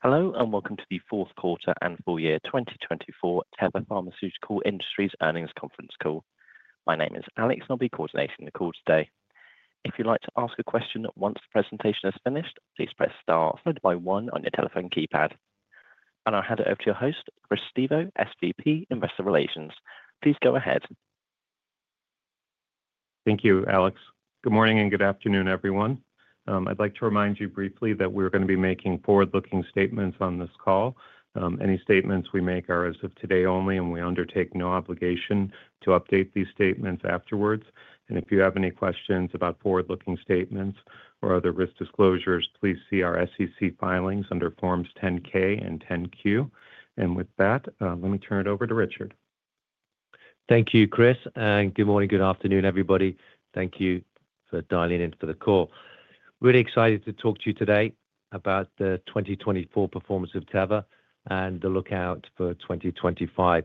Hello and welcome to the fourth quarter and full year 2024 Teva Pharmaceutical Industries earnings conference call. My name is Alex and I'll be coordinating the call today. If you'd like to ask a question once the presentation has finished, please press star followed by one on your telephone keypad. And I'll hand it over to your host, Chris Stevo, SVP Investor Relations. Please go ahead. Thank you, Alex. Good morning and good afternoon, everyone. I'd like to remind you briefly that we're going to be making forward-looking statements on this call. Any statements we make are as of today only, and we undertake no obligation to update these statements afterwards. And if you have any questions about forward-looking statements or other risk disclosures, please see our SEC filings under Forms 10-K and 10-Q. And with that, let me turn it over to Richard. Thank you, Chris. Good morning, good afternoon, everybody. Thank you for dialing in for the call. Really excited to talk to you today about the 2024 performance of Teva and the outlook for 2025.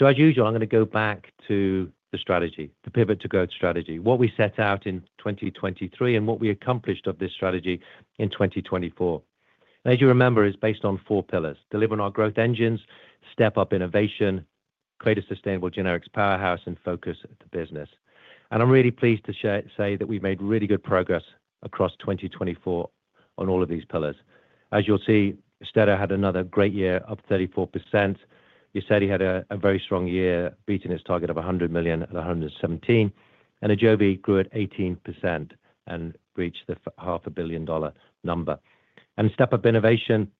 As usual, I'm going to go back to the strategy, the Pivot to Growth strategy, what we set out in 2023, and what we accomplished of this strategy in 2024. As you remember, it's based on four pillars: delivering our growth engines, step up innovation, create a sustainable generics powerhouse, and focus the business. I'm really pleased to say that we've made really good progress across 2024 on all of these pillars. As you'll see, AUSTEDO had another great year of 34%. AUSTEDO had a very strong year, beating his target of $100 million at $117 million, and AJOVY grew at 18% and reached the $500 million number. And step up innovation,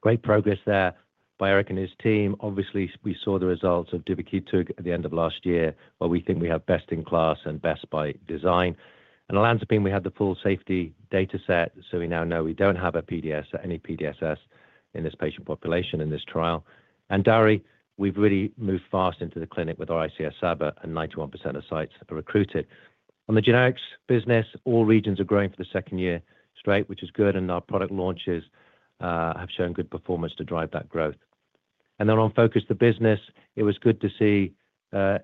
great progress there by Eric and his team. Obviously, we saw the results of duvakitug at the end of last year, where we think we have best in class and best by design. And on olanzapine, we had the full safety data set, so we now know we don't have a PDSS or any PDSS in this patient population in this trial. And DARI, we've really moved fast into the clinic with our ICS/SABA, and 91% of sites are recruited. On the generics business, all regions are growing for the second year straight, which is good, and our product launches have shown good performance to drive that growth. And then on focusing the business, it was good to see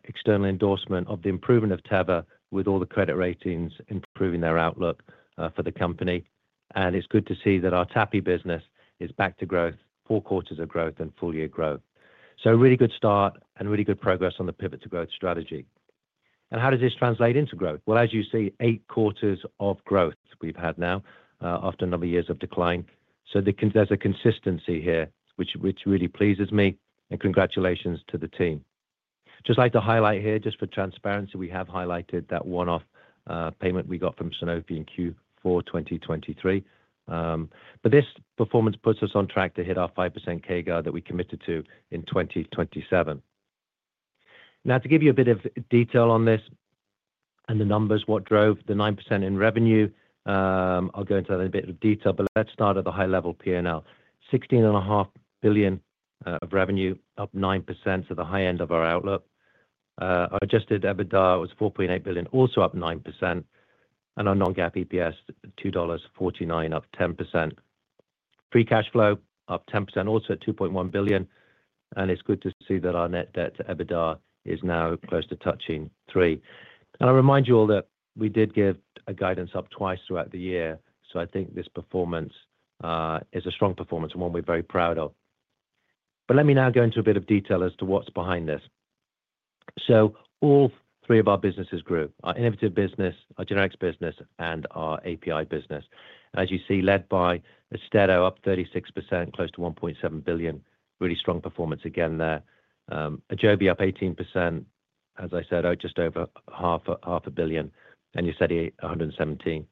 external endorsement of the improvement of Teva with all the credit ratings improving their outlook for the company. It's good to see that our TAPI business is back to growth, four quarters of growth and full year growth. Really good start and really good progress on the Pivot to Growth strategy. How does this translate into growth? As you see, eight quarters of growth we've had now after a number of years of decline. There's a consistency here, which really pleases me, and congratulations to the team. Just like to highlight here, just for transparency, we have highlighted that one-off payment we got from Sanofi in Q4 2023. This performance puts us on track to hit our 5% CAGR that we committed to in 2027. Now, to give you a bit of detail on this and the numbers, what drove the 9% in revenue. I'll go into that in a bit of detail, but let's start at the high-level P&L. $16.5 billion of revenue, up 9%, so the high end of our outlook. Our adjusted EBITDA was $4.8 billion, also up 9%, and our non-GAAP EPS, $2.49, up 10%. Free cash flow, up 10%, also $2.1 billion, and it's good to see that our net debt to EBITDA is now close to touching three. I remind you all that we did give a guidance up twice throughout the year, so I think this performance is a strong performance and one we're very proud of. Let me now go into a bit of detail as to what's behind this. All three of our businesses grew: our innovative business, our generics business, and our API business. As you see, led by AUSTEDO, up 36%, close to $1.7 billion, really strong performance again there. AJOVY up 18%, as I said, just over $500 million, and you said 117.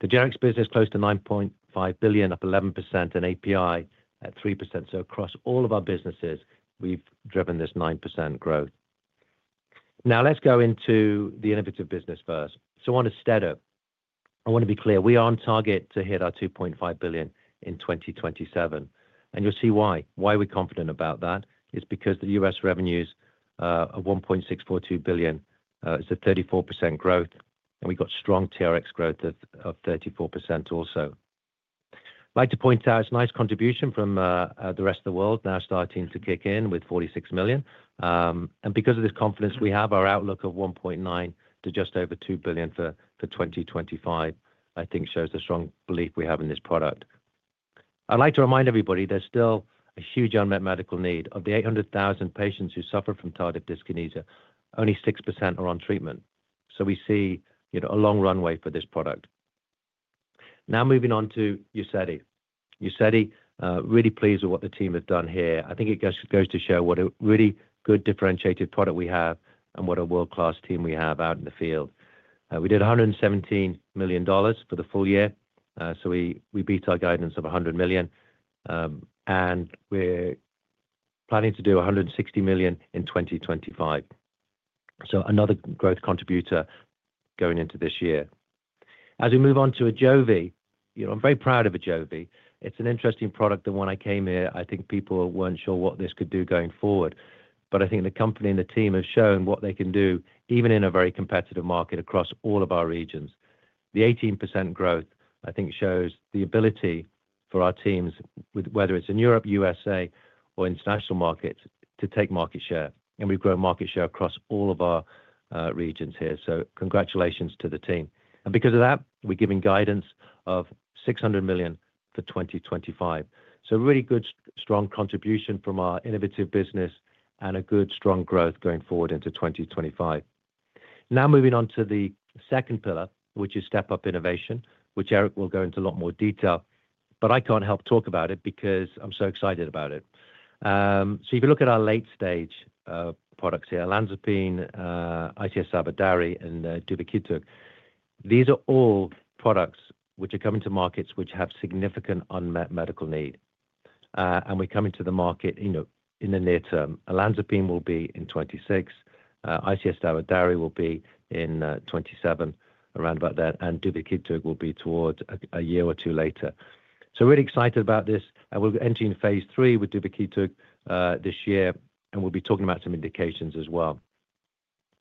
The generics business close to $9.5 billion, up 11%, and API at 3%. So across all of our businesses, we've driven this 9% growth. Now, let's go into the innovative business first. So on to AUSTEDO. I want to be clear, we are on target to hit our $2.5 billion in 2027. And you'll see why. Why are we confident about that? It's because the U.S. revenues are $1.642 billion, is a 34% growth, and we've got strong TRx growth of 34% also. I'd like to point out it's a nice contribution from the rest of the world now starting to kick in with $46 million. And because of this confidence we have, our outlook of $1.9 billion to just over $2 billion for 2025, I think shows the strong belief we have in this product. I'd like to remind everybody there's still a huge unmet medical need. Of the 800,000 patients who suffer from tardive dyskinesia, only 6% are on treatment. So we see a long runway for this product. Now moving on to UZEDY. UZEDY, really pleased with what the team have done here. I think it goes to show what a really good differentiated product we have and what a world-class team we have out in the field. We did $117 million for the full year, so we beat our guidance of $100 million, and we're planning to do $160 million in 2025. So another growth contributor going into this year. As we move on to AJOVY, I'm very proud of AJOVY. It's an interesting product. The one I came here, I think people weren't sure what this could do going forward, but I think the company and the team have shown what they can do even in a very competitive market across all of our regions. The 18% growth, I think, shows the ability for our teams, whether it's in Europe, USA, or international markets, to take market share. We've grown market share across all of our regions here. Congratulations to the team. Because of that, we're giving guidance of $600 million for 2025. Really good, strong contribution from our innovative business and a good, strong growth going forward into 2025. Now moving on to the second pillar, which is step up innovation, which Eric will go into a lot more detail, but I can't help talk about it because I'm so excited about it. If you look at our late-stage products here, olanzapine, ICS/SABA DARI, and duvakitug, these are all products which are coming to markets which have significant unmet medical need. And we come into the market in the near term. Olanzapine will be in 2026. ICS/SABA DARI will be in 2027, around about there, and duvakitug will be towards a year or two later. So really excited about this. And we're entering phase III with duvakitug this year, and we'll be talking about some indications as well.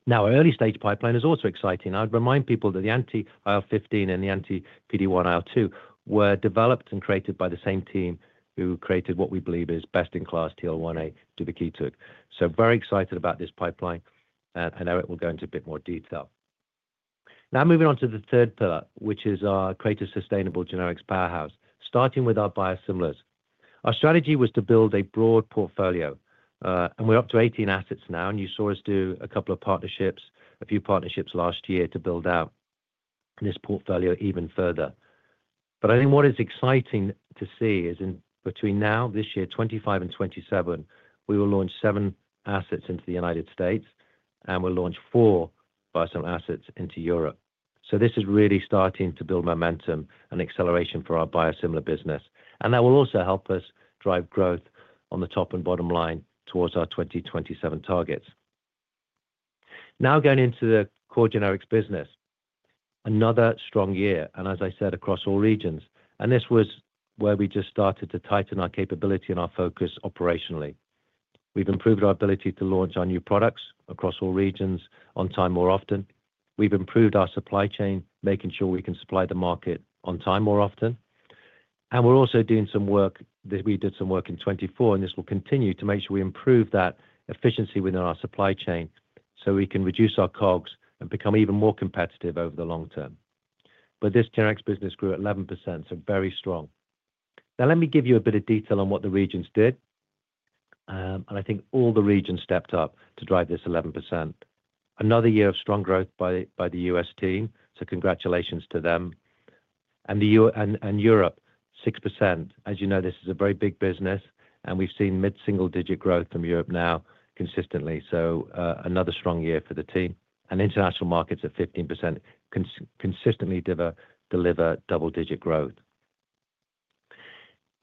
Now, our early-stage pipeline is also exciting. I'd remind people that the anti-IL-15 and the anti-PD-1 IL-2 were developed and created by the same team who created what we believe is best in class TL1A duvakitug. So very excited about this pipeline, and Eric will go into a bit more detail. Now moving on to the third pillar, which is our creative sustainable generics powerhouse, starting with our biosimilars. Our strategy was to build a broad portfolio, and we're up to 18 assets now, and you saw us do a couple of partnerships, a few partnerships last year to build out this portfolio even further. But I think what is exciting to see is between now, this year, 2025 and 2027, we will launch seven assets into the United States, and we'll launch four biosimilar assets into Europe. So this is really starting to build momentum and acceleration for our biosimilar business. And that will also help us drive growth on the top and bottom line towards our 2027 targets. Now going into the core generics business, another strong year, and as I said, across all regions. And this was where we just started to tighten our capability and our focus operationally. We've improved our ability to launch our new products across all regions on time more often. We've improved our supply chain, making sure we can supply the market on time more often. And we're also doing some work that we did in 2024, and this will continue to make sure we improve that efficiency within our supply chain so we can reduce our COGS and become even more competitive over the long term. But this generics business grew at 11%, so very strong. Now, let me give you a bit of detail on what the regions did. And I think all the regions stepped up to drive this 11%. Another year of strong growth by the U.S. team, so congratulations to them. And Europe, 6%. As you know, this is a very big business, and we've seen mid-single-digit growth from Europe now consistently, so another strong year for the team, and international markets at 15% consistently deliver double-digit growth.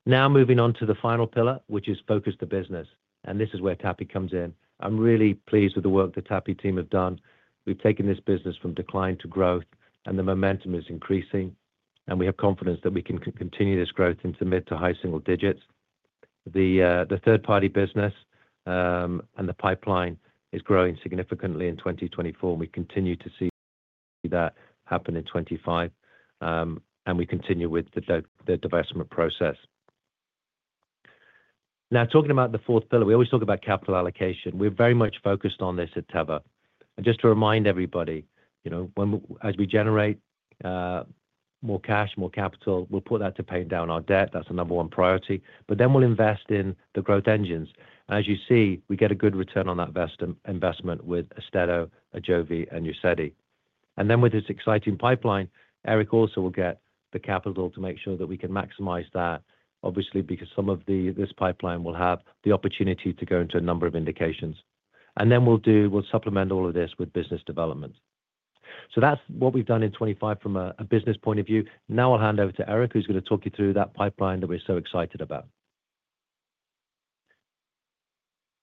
Now moving on to the final pillar, which is focus the business, and this is where TAPI comes in. I'm really pleased with the work the TAPI team have done. We've taken this business from decline to growth, and the momentum is increasing, and we have confidence that we can continue this growth into mid- to high-single-digits. The third-party business and the pipeline is growing significantly in 2024, and we continue to see that happen in 2025, and we continue with the divestment process. Now, talking about the fourth pillar, we always talk about capital allocation. We're very much focused on this at Teva. Just to remind everybody, as we generate more cash, more capital, we'll put that to paying down our debt. That's the number one priority. But then we'll invest in the growth engines. As you see, we get a good return on that investment with AUSTEDO, AJOVY, and UZEDY. Then with this exciting pipeline, Eric also will get the capital to make sure that we can maximize that, obviously, because some of this pipeline will have the opportunity to go into a number of indications. Then we'll supplement all of this with business development. That's what we've done in 2025 from a business point of view. Now I'll hand over to Eric, who's going to talk you through that pipeline that we're so excited about.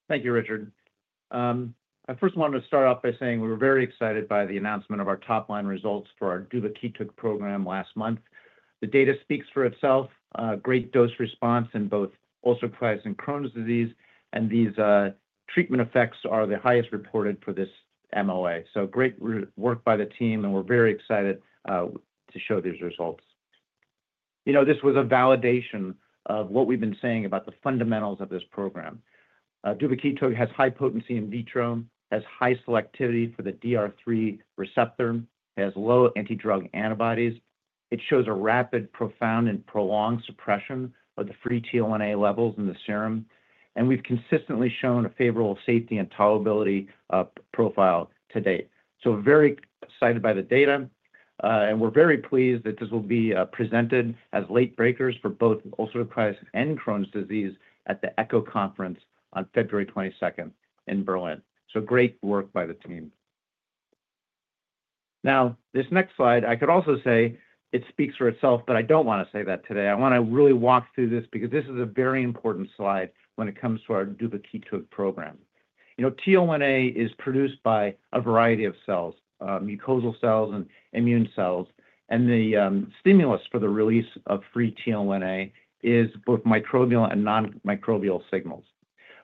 Thank you, Richard. I first wanted to start off by saying we were very excited by the announcement of our top-line results for our duvakitug program last month. The data speaks for itself. Great dose response in both ulcerative colitis and Crohn's disease, and these treatment effects are the highest reported for this MOA. So great work by the team, and we're very excited to show these results. You know, this was a validation of what we've been saying about the fundamentals of this program. Duvakitug has high potency in vitro, has high selectivity for the DR3 receptor, has low anti-drug antibodies. It shows a rapid, profound, and prolonged suppression of the free TL1A levels in the serum, and we've consistently shown a favorable safety and tolerability profile to date. So very excited by the data, and we're very pleased that this will be presented as late breakers for both ulcerative colitis and Crohn's disease at the ECCO conference on February 22nd in Berlin. So great work by the team. Now, this next slide, I could also say it speaks for itself, but I don't want to say that today. I want to really walk through this because this is a very important slide when it comes to our duvakitug program. TL1A is produced by a variety of cells, mucosal cells and immune cells, and the stimulus for the release of free TL1A is both microbial and non-microbial signals.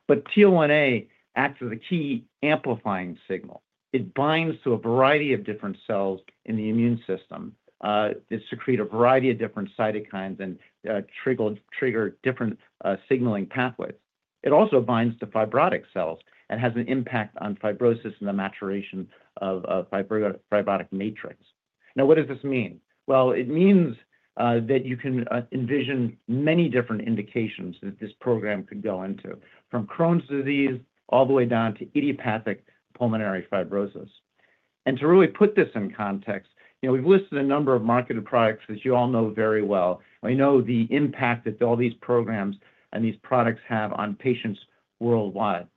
But TL1A acts as a key amplifying signal. It binds to a variety of different cells in the immune system that secrete a variety of different cytokines and trigger different signaling pathways. It also binds to fibrotic cells and has an impact on fibrosis and the maturation of fibrotic matrix. Now, what does this mean? It means that you can envision many different indications that this program could go into, from Crohn's disease all the way down to idiopathic pulmonary fibrosis. To really put this in context, we've listed a number of marketed products, as you all know very well. I know the impact that all these programs and these products have on patients worldwide.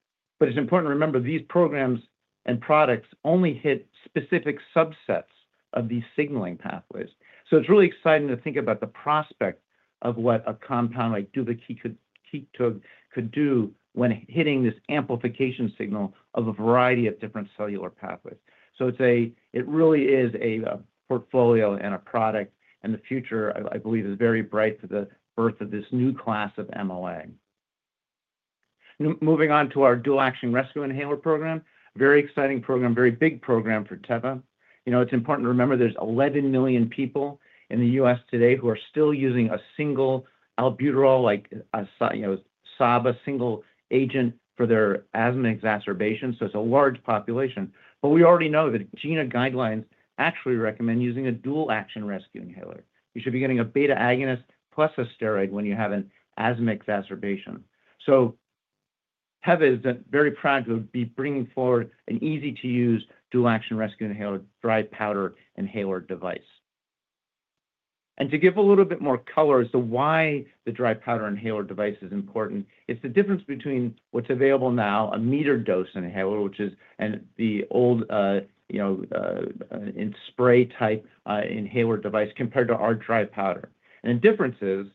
It's important to remember these programs and products only hit specific subsets of these signaling pathways. It's really exciting to think about the prospect of what a compound like duvakitug could do when hitting this amplification signal of a variety of different cellular pathways. So it really is a portfolio and a product, and the future, I believe, is very bright for the birth of this new class of MOA. Moving on to our dual-action rescue inhaler program, very exciting program, very big program for Teva. It's important to remember there's 11 million people in the U.S. today who are still using a single albuterol, like a SABA, single agent for their asthma exacerbation. So it's a large population. But we already know that GINA guidelines actually recommend using a dual-action rescue inhaler. You should be getting a beta agonist plus a steroid when you have an asthma exacerbation. So Teva is very proud to be bringing forward an easy-to-use dual-action rescue inhaler, dry powder inhaler device. To give a little bit more color as to why the dry powder inhaler device is important, it's the difference between what's available now, a metered-dose inhaler, which is the old spray-type inhaler device compared to our dry powder. The difference is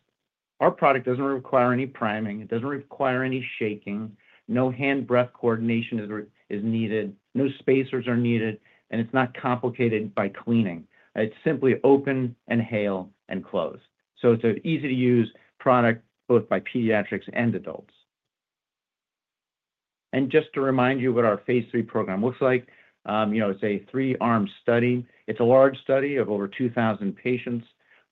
our product doesn't require any priming. It doesn't require any shaking. No hand-breath coordination is needed. No spacers are needed, and it's not complicated by cleaning. It's simply open, inhale, and close. It's an easy-to-use product both by pediatrics and adults. Just to remind you what our phase III program looks like, it's a three-arm study. It's a large study of over 2,000 patients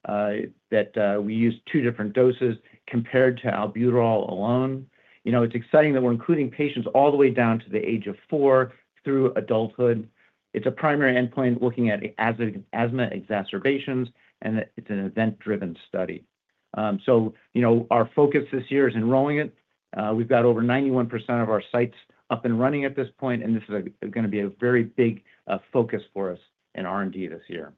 that we use two different doses compared to albuterol alone. It's exciting that we're including patients all the way down to the age of four through adulthood. It's a primary endpoint looking at asthma exacerbations, and it's an event-driven study. So our focus this year is enrolling it. We've got over 91% of our sites up and running at this point, and this is going to be a very big focus for us in R&D this year.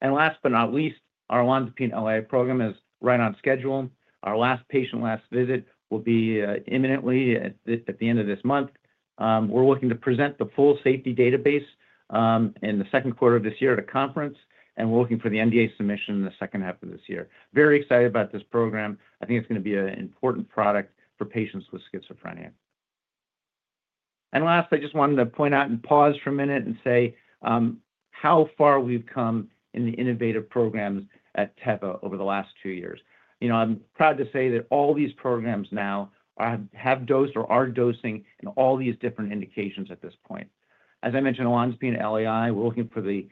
And last but not least, our olanzapine LAI program is right on schedule. Our last patient last visit will be imminently at the end of this month. We're looking to present the full safety database in the second quarter of this year at a conference, and we're looking for the NDA submission in the second half of this year. Very excited about this program. I think it's going to be an important product for patients with schizophrenia. Last, I just wanted to point out and pause for a minute and say how far we've come in the innovative programs at Teva over the last two years. I'm proud to say that all these programs now have dosed or are dosing in all these different indications at this point. As I mentioned, olanzapine LAI, we're looking for the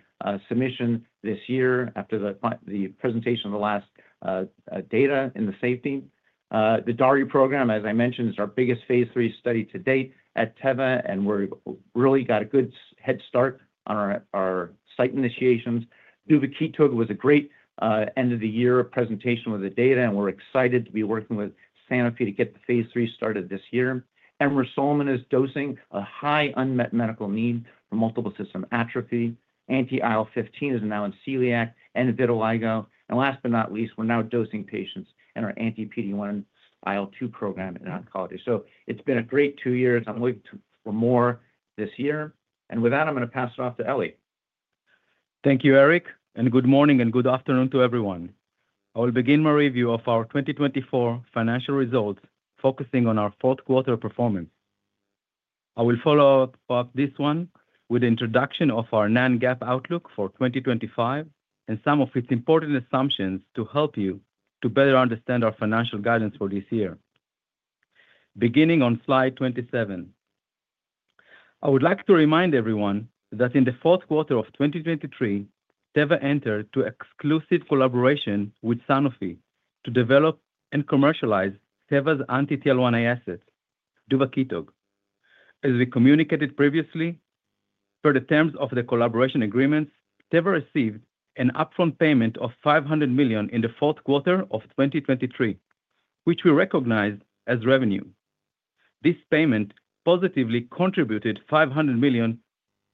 submission this year after the presentation of the latest data on the safety. The DARI program, as I mentioned, is our biggest phase III study to date at Teva, and we've really got a good head start on our site initiations. Duvakitug was a great end-of-the-year presentation with the data, and we're excited to be working with Sanofi to get the phase III started this year. Emrusolmin is dosing a high unmet medical need for multiple system atrophy. Anti-IL-15 is now in celiac and vitiligo. And last but not least, we're now dosing patients in our anti-PD-1 IL-2 program in oncology. So it's been a great two years. I'm looking for more this year. And with that, I'm going to pass it off to Eli. Thank you, Eric, and good morning and good afternoon to everyone. I will begin my review of our 2024 financial results, focusing on our fourth quarter performance. I will follow up this one with the introduction of our non-GAAP outlook for 2025 and some of its important assumptions to help you to better understand our financial guidance for this year. Beginning on slide 27, I would like to remind everyone that in the fourth quarter of 2023, Teva entered into exclusive collaboration with Sanofi to develop and commercialize Teva's anti-TL1A asset, duvakitug. As we communicated previously, per the terms of the collaboration agreements, Teva received an upfront payment of $500 million in the fourth quarter of 2023, which we recognize as revenue. This payment positively contributed $500 million,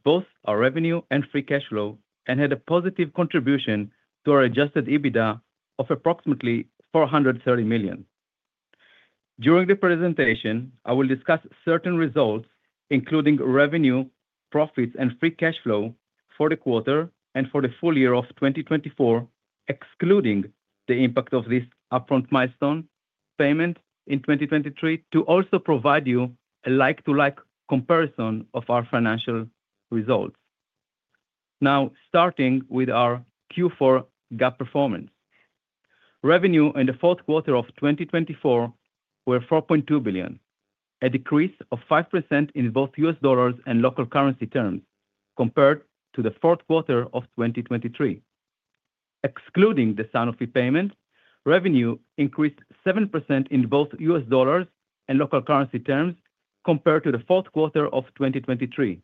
both our revenue and free cash flow, and had a positive contribution to our adjusted EBITDA of approximately $430 million. During the presentation, I will discuss certain results, including revenue, profits, and free cash flow for the quarter and for the full year of 2024, excluding the impact of this upfront milestone payment in 2023, to also provide you a like-for-like comparison of our financial results. Now, starting with our Q4 GAAP performance, revenue in the fourth quarter of 2024 was $4.2 billion, a decrease of 5% in both U.S. dollars and local currency terms compared to the fourth quarter of 2023. Excluding the Sanofi payment, revenue increased 7% in both U.S. dollars and local currency terms compared to the fourth quarter of 2023.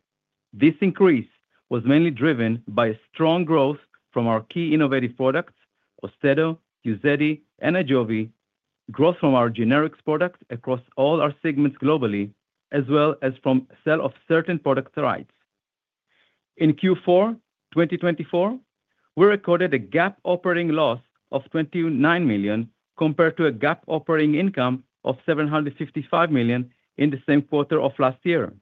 This increase was mainly driven by strong growth from our key innovative products, AUSTEDO, UZEDY, and AJOVY, growth from our generics products across all our segments globally, as well as from sale of certain product rights. In Q4 2024, we recorded a GAAP operating loss of $29 million compared to a GAAP operating income of $755 million in the same quarter of last year.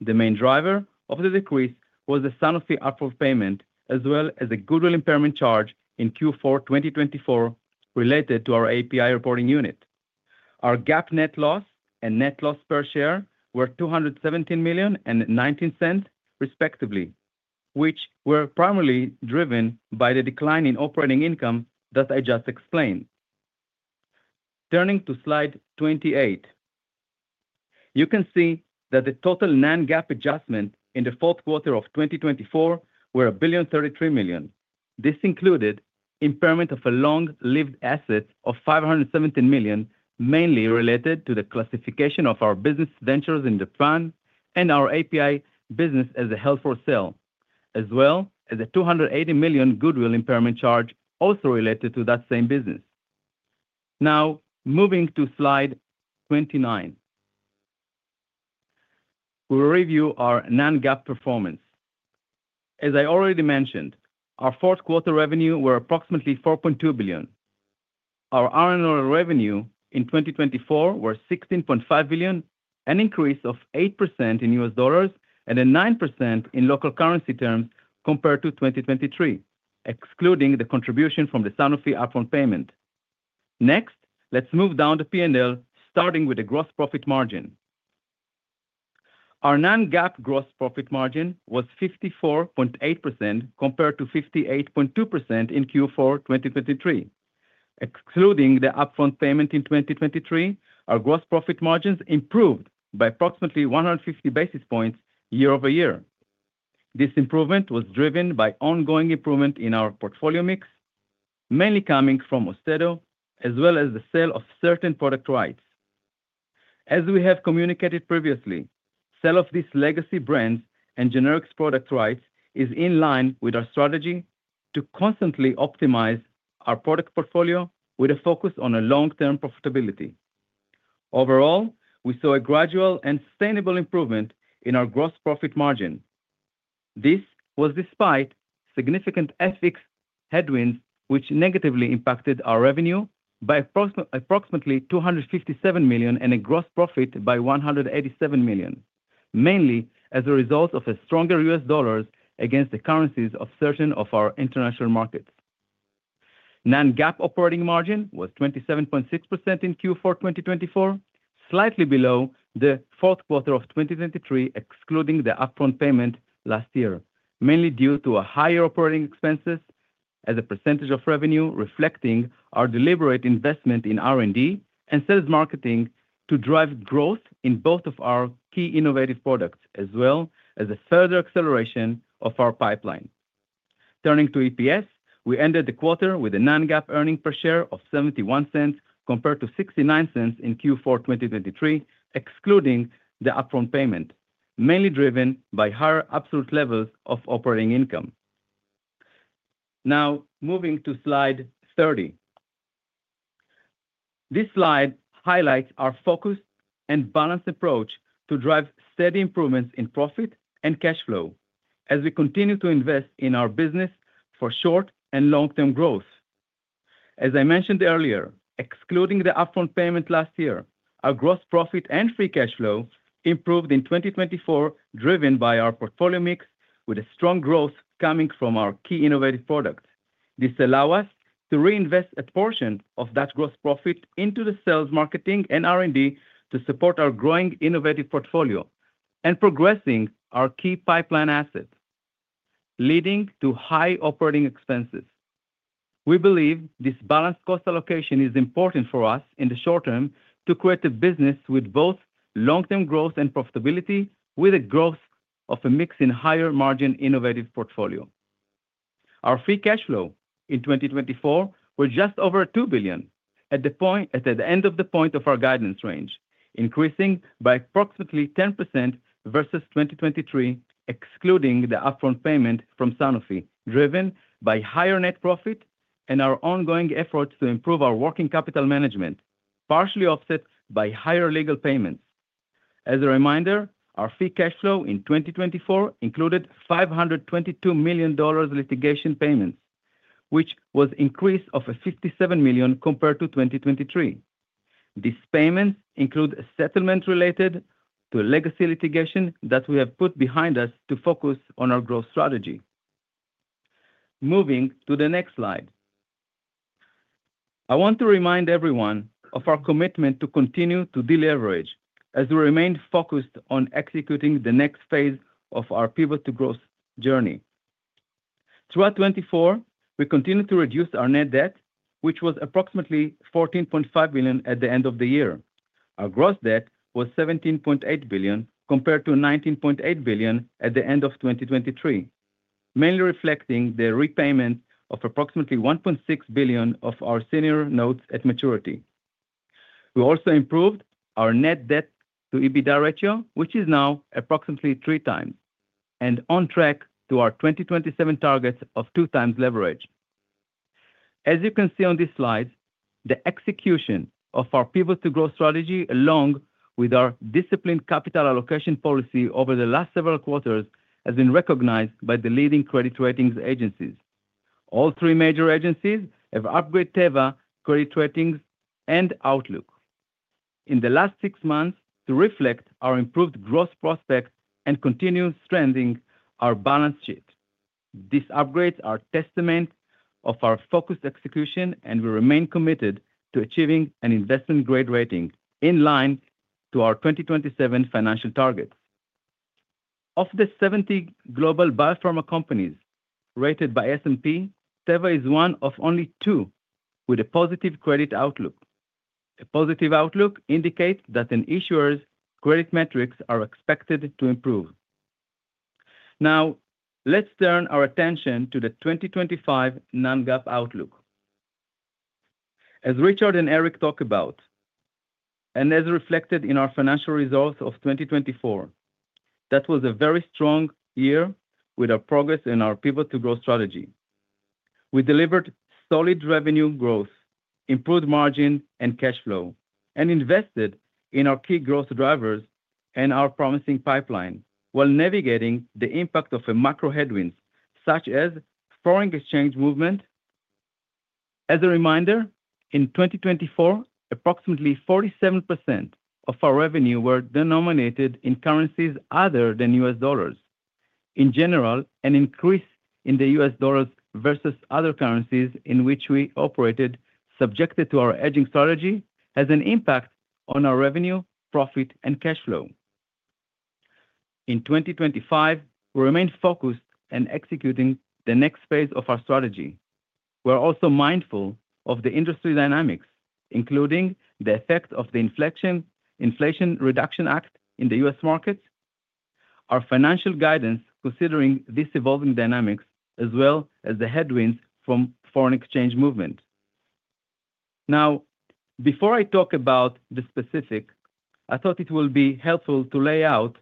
The main driver of the decrease was the Sanofi upfront payment, as well as a goodwill impairment charge in Q4 2024 related to our API reporting unit. Our GAAP net loss and net loss per share were $217 million and $0.19, respectively, which were primarily driven by the decline in operating income that I just explained. Turning to slide 28, you can see that the total non-GAAP adjustment in the fourth quarter of 2024 was $1,033 million. This included impairment of a long-lived asset of $517 million, mainly related to the classification of our business ventures in the fund and our API business as held for sale, as well as a $280 million goodwill impairment charge also related to that same business. Now, moving to slide 29, we'll review our non-GAAP performance. As I already mentioned, our fourth quarter revenue was approximately $4.2 billion. Our annual revenue in 2024 was $16.5 billion, an increase of 8% in U.S. dollars and a 9% in local currency terms compared to 2023, excluding the contribution from the Sanofi upfront payment. Next, let's move down the P&L, starting with the gross profit margin. Our non-GAAP gross profit margin was 54.8% compared to 58.2% in Q4 2023. Excluding the upfront payment in 2023, our gross profit margins improved by approximately 150 basis points year-over-year. This improvement was driven by ongoing improvement in our portfolio mix, mainly coming from AUSTEDO, as well as the sale of certain product rights. As we have communicated previously, the sale of these legacy brands and generics product rights is in line with our strategy to constantly optimize our product portfolio with a focus on long-term profitability. Overall, we saw a gradual and sustainable improvement in our gross profit margin. This was despite significant FX headwinds, which negatively impacted our revenue by approximately $257 million and a gross profit by $187 million, mainly as a result of stronger U.S. dollars against the currencies of certain of our international markets. Non-GAAP operating margin was 27.6% in Q4 2024, slightly below the fourth quarter of 2023, excluding the upfront payment last year, mainly due to higher operating expenses as a percentage of revenue, reflecting our deliberate investment in R&D and sales marketing to drive growth in both of our key innovative products, as well as a further acceleration of our pipeline. Turning to EPS, we ended the quarter with a non-GAAP earnings per share of $0.71 compared to $0.69 in Q4 2023, excluding the upfront payment, mainly driven by higher absolute levels of operating income. Now, moving to slide 30. This slide highlights our focused and balanced approach to drive steady improvements in profit and cash flow as we continue to invest in our business for short and long-term growth. As I mentioned earlier, excluding the upfront payment last year, our gross profit and free cash flow improved in 2024, driven by our portfolio mix with strong growth coming from our key innovative products. This allows us to reinvest a portion of that gross profit into the sales marketing and R&D to support our growing innovative portfolio and progressing our key pipeline assets, leading to high operating expenses. We believe this balanced cost allocation is important for us in the short term to create a business with both long-term growth and profitability with a growth of a mix in higher margin innovative portfolio. Our free cash flow in 2024 was just over $2 billion at the end of the point of our guidance range, increasing by approximately 10% versus 2023, excluding the upfront payment from Sanofi, driven by higher net profit and our ongoing efforts to improve our working capital management, partially offset by higher legal payments. As a reminder, our free cash flow in 2024 included $522 million litigation payments, which was an increase of $57 million compared to 2023. These payments include a settlement related to legacy litigation that we have put behind us to focus on our growth strategy. Moving to the next slide, I want to remind everyone of our commitment to continue to deleverage as we remain focused on executing the next phase of our Pivot to Growth journey. Throughout 2024, we continued to reduce our net debt, which was approximately $14.5 billion at the end of the year. Our gross debt was $17.8 billion compared to $19.8 billion at the end of 2023, mainly reflecting the repayment of approximately $1.6 billion of our senior notes at maturity. We also improved our net debt to EBITDA ratio, which is now approximately three times, and on track to our 2027 targets of two times leverage. As you can see on these slides, the execution of our Pivot to Growth strategy, along with our disciplined capital allocation policy over the last several quarters, has been recognized by the leading credit rating agencies. All three major agencies have upgraded Teva's credit ratings and outlook in the last six months to reflect our improved business prospects and continued strengthening our balance sheet. These upgrades are a testament to our focused execution, and we remain committed to achieving an investment-grade rating in line with our 2027 financial targets. Of the 70 global biopharma companies rated by S&P, Teva is one of only two with a positive credit outlook. A positive outlook indicates that issuers' credit metrics are expected to improve. Now, let's turn our attention to the 2025 Non-GAAP Outlook. As Richard and Eric talked about, and as reflected in our financial results of 2024, that was a very strong year with our progress in our Pivot to Growth strategy. We delivered solid revenue growth, improved margin and cash flow, and invested in our key growth drivers and our promising pipeline while navigating the impact of macro headwinds such as foreign exchange movement. As a reminder, in 2024, approximately 47% of our revenue was denominated in currencies other than U.S. dollars. In general, an increase in the U.S. dollars versus other currencies in which we operated, subject to our hedging strategy, has an impact on our revenue, profit, and cash flow. In 2025, we remain focused on executing the next phase of our strategy. We are also mindful of the industry dynamics, including the effect of the Inflation Reduction Act in the U.S. markets, our financial guidance considering these evolving dynamics, as well as the headwinds from foreign exchange movement. Now, before I talk about the specifics, I thought it would be helpful to lay out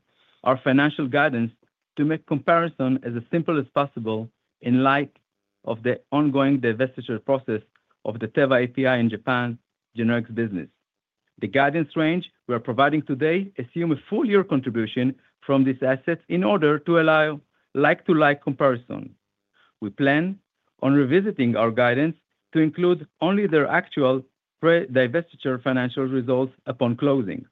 our financial guidance to make comparison as simple as possible in light of the ongoing divestiture process of Teva's API and Japan generics business. The guidance range we are providing today assumes a full year contribution from these assets in order to allow like-for-like comparison. We plan on revisiting our guidance to include only the actual pre-divestiture financial results upon closing.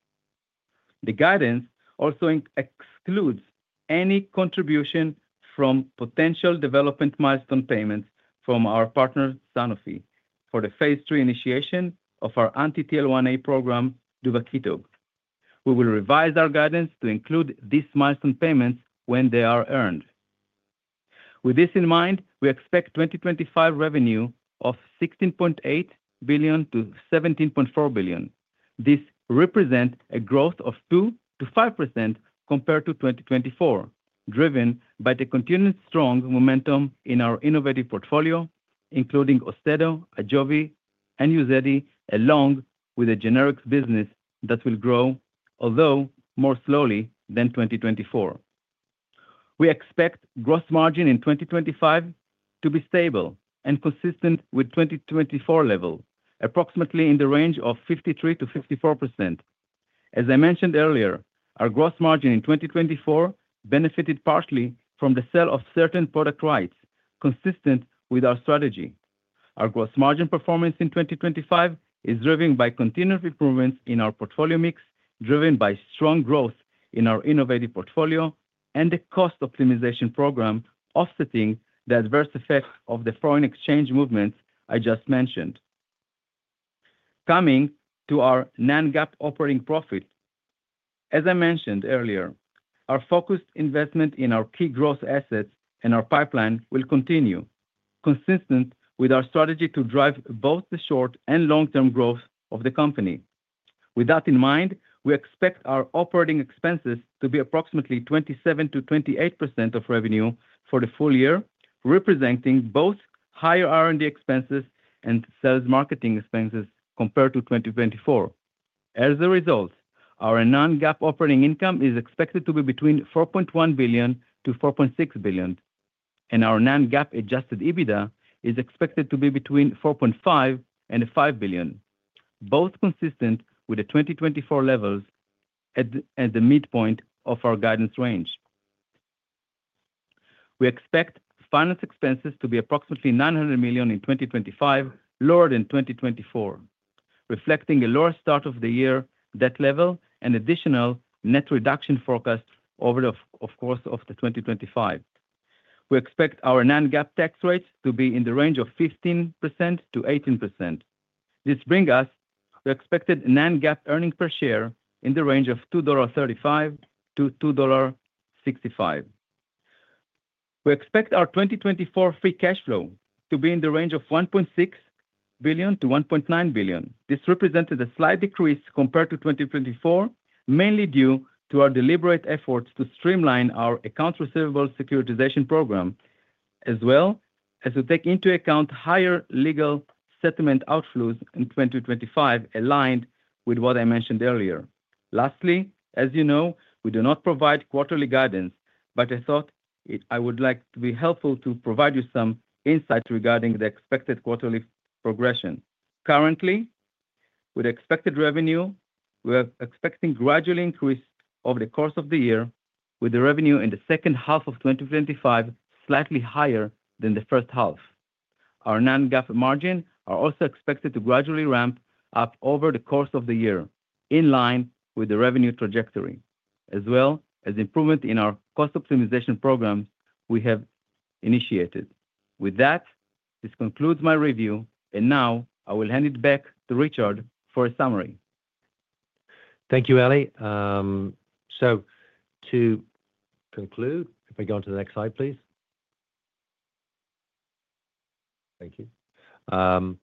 The guidance also excludes any contribution from potential development milestone payments from our partner, Sanofi, for the phase III initiation of our anti-TL1A program, duvakitug. We will revise our guidance to include these milestone payments when they are earned. With this in mind, we expect 2025 revenue of $16.8 billion-$17.4 billion. This represents a growth of 2%-5% compared to 2024, driven by the continued strong momentum in our innovative portfolio, including AUSTEDO, AJOVY, and UZEDY, along with a generics business that will grow, although more slowly than 2024. We expect gross margin in 2025 to be stable and consistent with 2024 levels, approximately in the range of 53%-54%. As I mentioned earlier, our gross margin in 2024 benefited partially from the sale of certain product rights, consistent with our strategy. Our gross margin performance in 2025 is driven by continued improvements in our portfolio mix, driven by strong growth in our innovative portfolio and the cost optimization program, offsetting the adverse effects of the foreign exchange movements I just mentioned. Coming to our non-GAAP operating profit, as I mentioned earlier, our focused investment in our key growth assets and our pipeline will continue, consistent with our strategy to drive both the short and long-term growth of the company. With that in mind, we expect our operating expenses to be approximately 27%-28% of revenue for the full year, representing both higher R&D expenses and sales marketing expenses compared to 2024. As a result, our non-GAAP operating income is expected to be between $4.1 billion-$4.6 billion, and our non-GAAP adjusted EBITDA is expected to be between $4.5 billion and $5 billion, both consistent with the 2024 levels at the midpoint of our guidance range. We expect finance expenses to be approximately $900 million in 2025, lower than 2024, reflecting a lower start of the year debt level and additional net reduction forecast over the course of 2025. We expect our non-GAAP tax rate to be in the range of 15%-18%. This brings us to expected non-GAAP earnings per share in the range of $2.35-$2.65. We expect our 2024 free cash flow to be in the range of $1.6 billion-$1.9 billion. This represents a slight decrease compared to 2024, mainly due to our deliberate efforts to streamline our accounts receivable securitization program, as well as to take into account higher legal settlement outflows in 2025, aligned with what I mentioned earlier. Lastly, as you know, we do not provide quarterly guidance, but I thought I would like to be helpful to provide you some insights regarding the expected quarterly progression. Currently, with expected revenue, we are expecting a gradual increase over the course of the year, with the revenue in the second half of 2025 slightly higher than the first half. Our non-GAAP margin is also expected to gradually ramp up over the course of the year, in line with the revenue trajectory, as well as improvement in our cost optimization programs we have initiated. With that, this concludes my review, and now I will hand it back to Richard for a summary. Thank you, Eli. To conclude, if I go on to the next slide, please. Thank you. The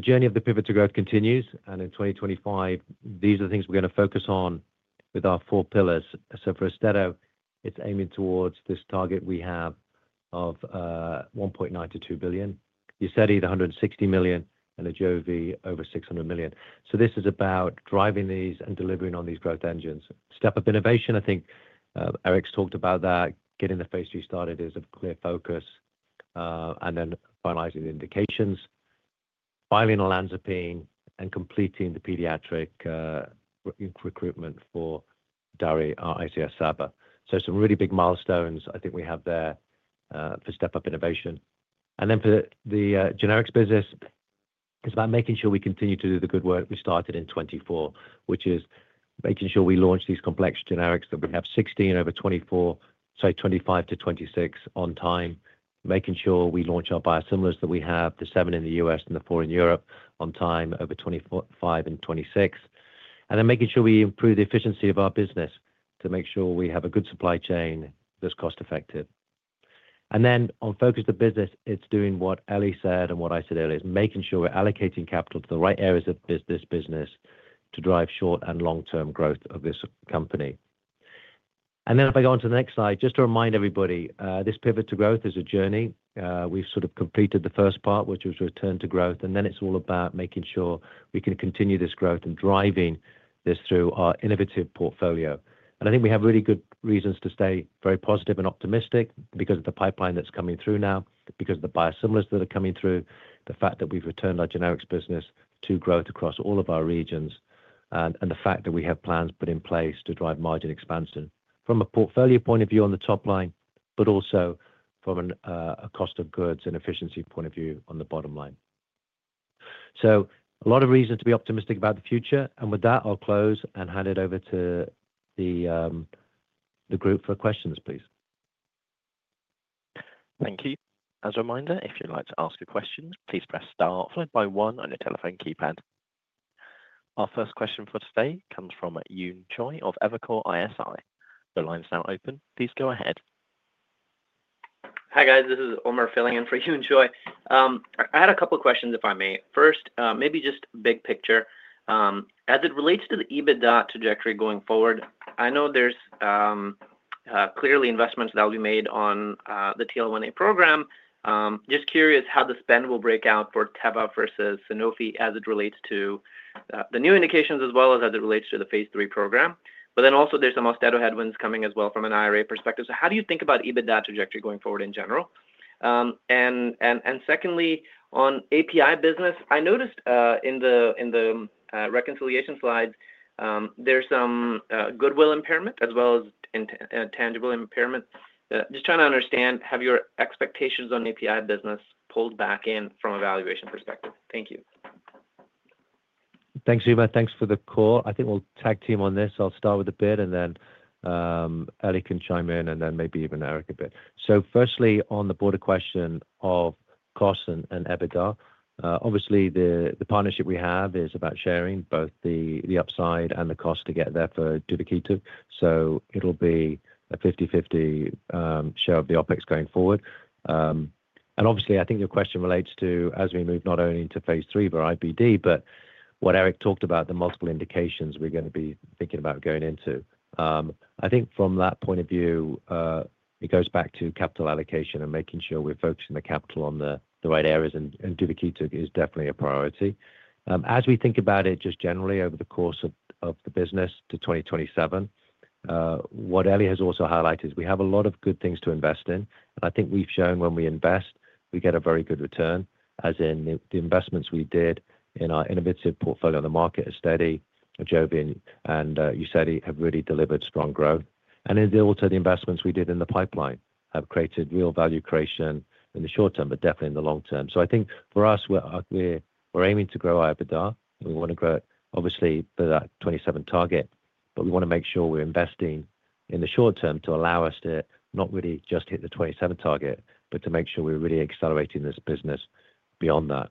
journey of the Pivot to Growth continues, and in 2025, these are the things we're going to focus on with our four pillars. For AUSTEDO, it's aiming towards this target we have of $1.9 billion-$2 billion, UZEDY the $160 million, and AJOVY over $600 million. This is about driving these and delivering on these growth engines. Step up innovation, I think Eric's talked about that. Getting the phase III started is a clear focus, and then finalizing the indications, filing on olanzapine, and completing the pediatric recruitment for DARI ICS/SABA. Some really big milestones I think we have there for step up innovation. And then for the generics business, it's about making sure we continue to do the good work we started in 2024, which is making sure we launch these complex generics that we have 16 over 2024, sorry, 2025 to 2026 on time, making sure we launch our biosimilars that we have, the seven in the U.S. and the four in Europe, on time over 2025 and 2026, and then making sure we improve the efficiency of our business to make sure we have a good supply chain that's cost-effective. And then on focus of the business, it's doing what Eli said and what I said earlier, is making sure we're allocating capital to the right areas of this business to drive short and long-term growth of this company. And then if I go on to the next slide, just to remind everybody, this Pivot to Growth is a journey. We've sort of completed the first part, which was return to growth, and then it's all about making sure we can continue this growth and driving this through our innovative portfolio, and I think we have really good reasons to stay very positive and optimistic because of the pipeline that's coming through now, because of the biosimilars that are coming through, the fact that we've returned our generics business to growth across all of our regions, and the fact that we have plans put in place to drive margin expansion from a portfolio point of view on the top line, but also from a cost of goods and efficiency point of view on the bottom line, so a lot of reasons to be optimistic about the future, and with that, I'll close and hand it over to the group for questions, please. Thank you. As a reminder, if you'd like to ask a question, please press star followed by one on your telephone keypad. Our first question for today comes from Yoon Choi of Evercore ISI. The line is now open. Please go ahead. Hi guys, this is Umer filling in for Yoon Choi. I had a couple of questions, if I may. First, maybe just big picture. As it relates to the EBITDA trajectory going forward, I know there's clearly investments that will be made on the TL1A program. Just curious how the spend will break out for Teva versus Sanofi as it relates to the new indications, as well as it relates to the phase III program? But then also there's some AUSTEDO headwinds coming as well from an IRA perspective. So, how do you think about EBITDA trajectory going forward in general? And secondly, on API business, I noticed in the reconciliation slides, there's some goodwill impairment as well as tangible impairment. Just trying to understand, have your expectations on API business pulled back in from a valuation perspective? Thank you. Thanks, Umer. Thanks for the call. I think we'll tag team on this. I'll start with a bit, and then Eric can chime in, and then maybe even Eric a bit. So, firstly, on the broader question of cost and EBITDA, obviously the partnership we have is about sharing both the upside and the cost to get there for duvakitug. So, it'll be a 50/50 share of the OpEx going forward. And obviously, I think your question relates to, as we move not only into phase III for IBD, but what Eric talked about, the multiple indications we're going to be thinking about going into. I think from that point of view, it goes back to capital allocation and making sure we're focusing the capital on the right areas, and duvakitug is definitely a priority. As we think about it just generally over the course of the business to 2027, what Eli has also highlighted is we have a lot of good things to invest in. And I think we've shown when we invest, we get a very good return, as in the investments we did in our innovative portfolio on the market, AUSTEDO, AJOVY, and UZEDY have really delivered strong growth. And then also the investments we did in the pipeline have created real value creation in the short term, but definitely in the long term. So, I think for us, we're aiming to grow our EBITDA. We want to grow, obviously, for that 2027 target, but we want to make sure we're investing in the short term to allow us to not really just hit the 2027 target, but to make sure we're really accelerating this business beyond that.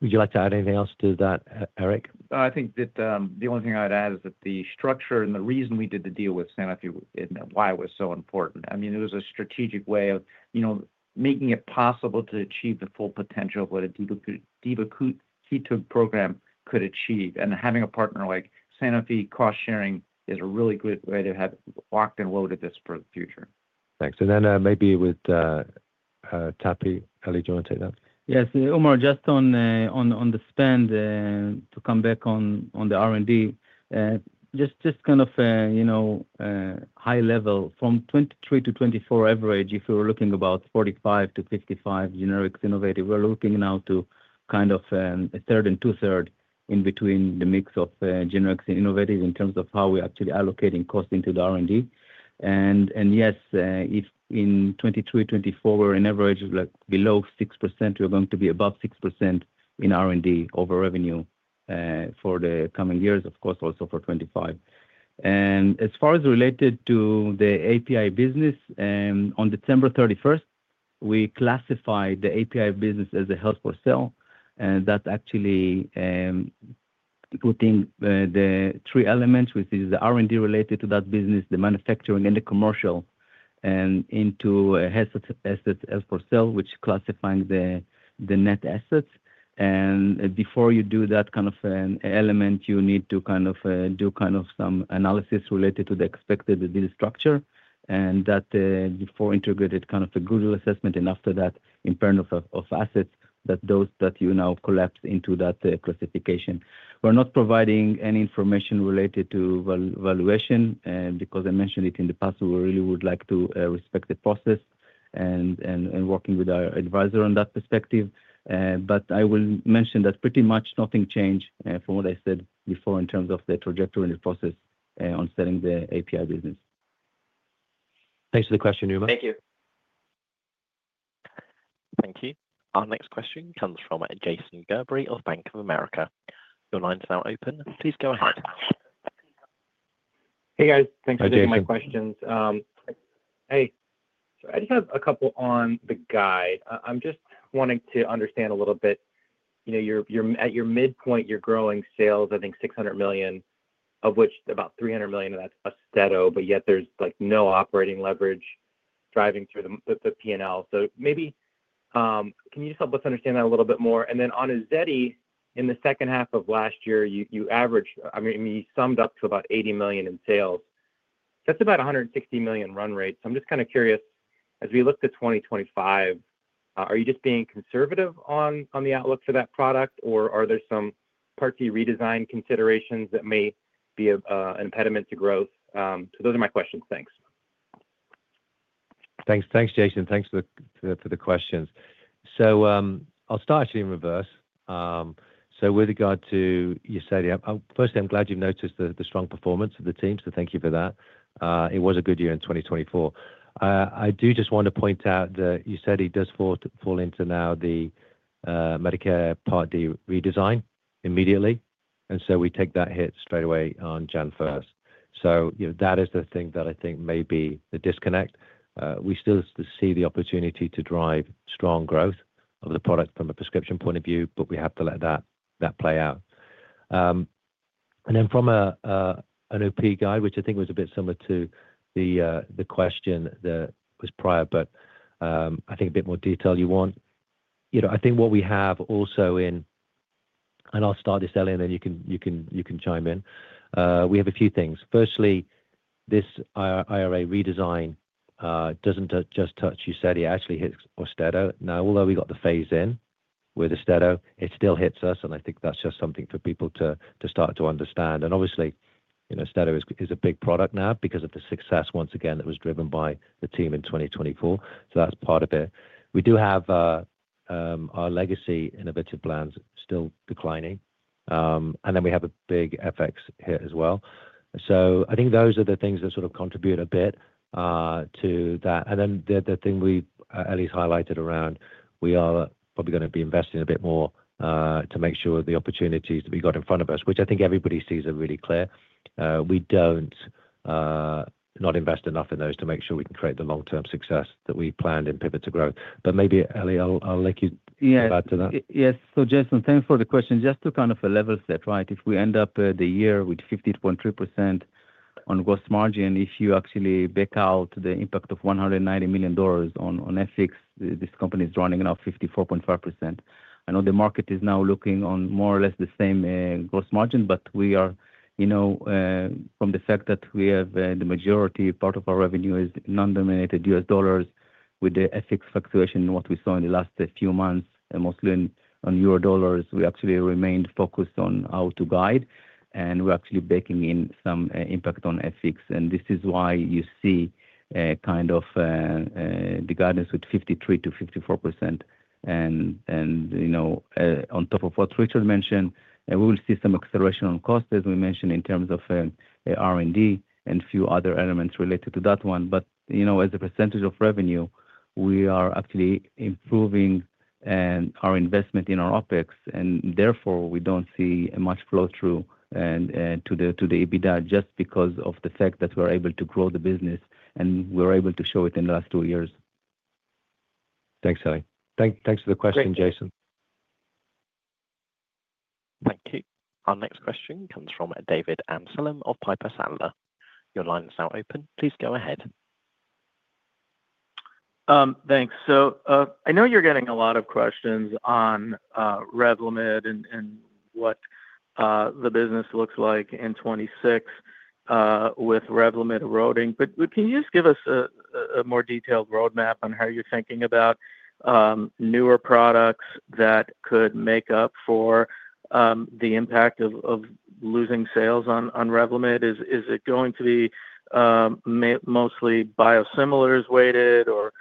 Would you like to add anything else to that, Eric? I think that the only thing I'd add is that the structure and the reason we did the deal with Sanofi and why it was so important. I mean, it was a strategic way of making it possible to achieve the full potential of what a duvakitug program could achieve. And having a partner like Sanofi cost-sharing is a really good way to have walked and loaded this for the future. Thanks. And then maybe with TAPI, Eli, do you want to take that? Yes. Umer, just on the spend to come back on the R&D, just kind of high level, from 2023 to 2024 average, if we were looking about 45 to 55 generics innovative, we're looking now to kind of a third and two-thirds in between the mix of generics and innovative in terms of how we're actually allocating cost into the R&D. And yes, if in 2023, 2024, we're on average below 6%, we're going to be above 6% in R&D over revenue for the coming years, of course, also for 2025. And as far as related to the API business, on December 31st, we classified the API business as held for sale. And that's actually putting the three elements, which is the R&D related to that business, the manufacturing, and the commercial into held for sale, which is classifying the net assets. Before you do that kind of element, you need to kind of do kind of some analysis related to the expected deal structure. And that before integrated kind of a goodwill assessment, and after that, impairment of assets that you now collapse into that classification. We're not providing any information related to valuation because I mentioned it in the past. We really would like to respect the process and working with our advisor on that perspective. But I will mention that pretty much nothing changed from what I said before in terms of the trajectory and the process on selling the API business. Thanks for the question, Umer. Thank you. Thank you. Our next question comes from Jason Gerberry of Bank of America. Your line's now open. Please go ahead. Hey, guys. Thanks for taking my questions. Hey. I just have a couple on the guide. I'm just wanting to understand a little bit. At your midpoint, you're growing sales, I think, $600 million, of which about $300 million of that's AUSTEDO, but yet there's no operating leverage driving through the P&L. So maybe can you just help us understand that a little bit more? And then on UZEDY, in the second half of last year, you averaged, I mean, you summed up to about $80 million in sales. That's about $160 million run rate. So I'm just kind of curious, as we look to 2025, are you just being conservative on the outlook for that product, or are there some payer redesign considerations that may be an impediment to growth? So those are my questions. Thanks. Thanks, Jason. Thanks for the questions. So I'll start actually in reverse. So with regard to UZEDY, firstly, I'm glad you've noticed the strong performance of the team, so thank you for that. It was a good year in 2024. I do just want to point out that UZEDY does fall into now the Medicare Part D redesign immediately, and so we take that hit straight away on January 1st. So that is the thing that I think may be the disconnect. We still see the opportunity to drive strong growth of the product from a prescription point of view, but we have to let that play out. And then from an OP guide, which I think was a bit similar to the question that was prior, but I think a bit more detail you want. I think what we have also in, and I'll start this early, and then you can chime in. We have a few things. Firstly, this IRA redesign doesn't just touch UZEDY; it actually hits AUSTEDO. Now, although we got the phase in with AUSTEDO, it still hits us, and I think that's just something for people to start to understand. And obviously, AUSTEDO is a big product now because of the success, once again, that was driven by the team in 2024. So that's part of it. We do have our legacy innovative plans still declining, and then we have a big FX hit as well. So I think those are the things that sort of contribute a bit to that. And then the thing we at least highlighted around, we are probably going to be investing a bit more to make sure the opportunities that we got in front of us, which I think everybody sees are really clear. We don't not invest enough in those to make sure we can create the long-term success that we planned and pivot to growth. But maybe, Eli, I'll let you add to that. Yes. So, Jason, thanks for the question. Just to kind of level set, right? If we end up the year with 50.3% on gross margin, if you actually back out the impact of $190 million on FX, this company is running now 54.5%. I know the market is now looking on more or less the same gross margin, but we are, from the fact that we have the majority part of our revenue is non-denominated U.S. dollars with the FX fluctuation in what we saw in the last few months, mostly on euro dollars, we actually remained focused on how to guide, and we're actually baking in some impact on FX. This is why you see kind of the guidance with 53%-54%. On top of what Richard mentioned, we will see some acceleration on cost, as we mentioned, in terms of R&D and a few other elements related to that one. But as a percentage of revenue, we are actually improving our investment in our OPEX, and therefore we don't see much flow-through to the EBITDA just because of the fact that we're able to grow the business and we were able to show it in the last two years. Thanks, Eli. Thanks for the question, Jason. Thank you. Our next question comes from David Amsellem of Piper Sandler. Your line is now open. Please go ahead. Thanks. So I know you're getting a lot of questions on Revlimid and what the business looks like in 2026 with Revlimid eroding. But can you just give us a more detailed roadmap on how you're thinking about newer products that could make up for the impact of losing sales on Revlimid? Is it going to be mostly biosimilars-weighted or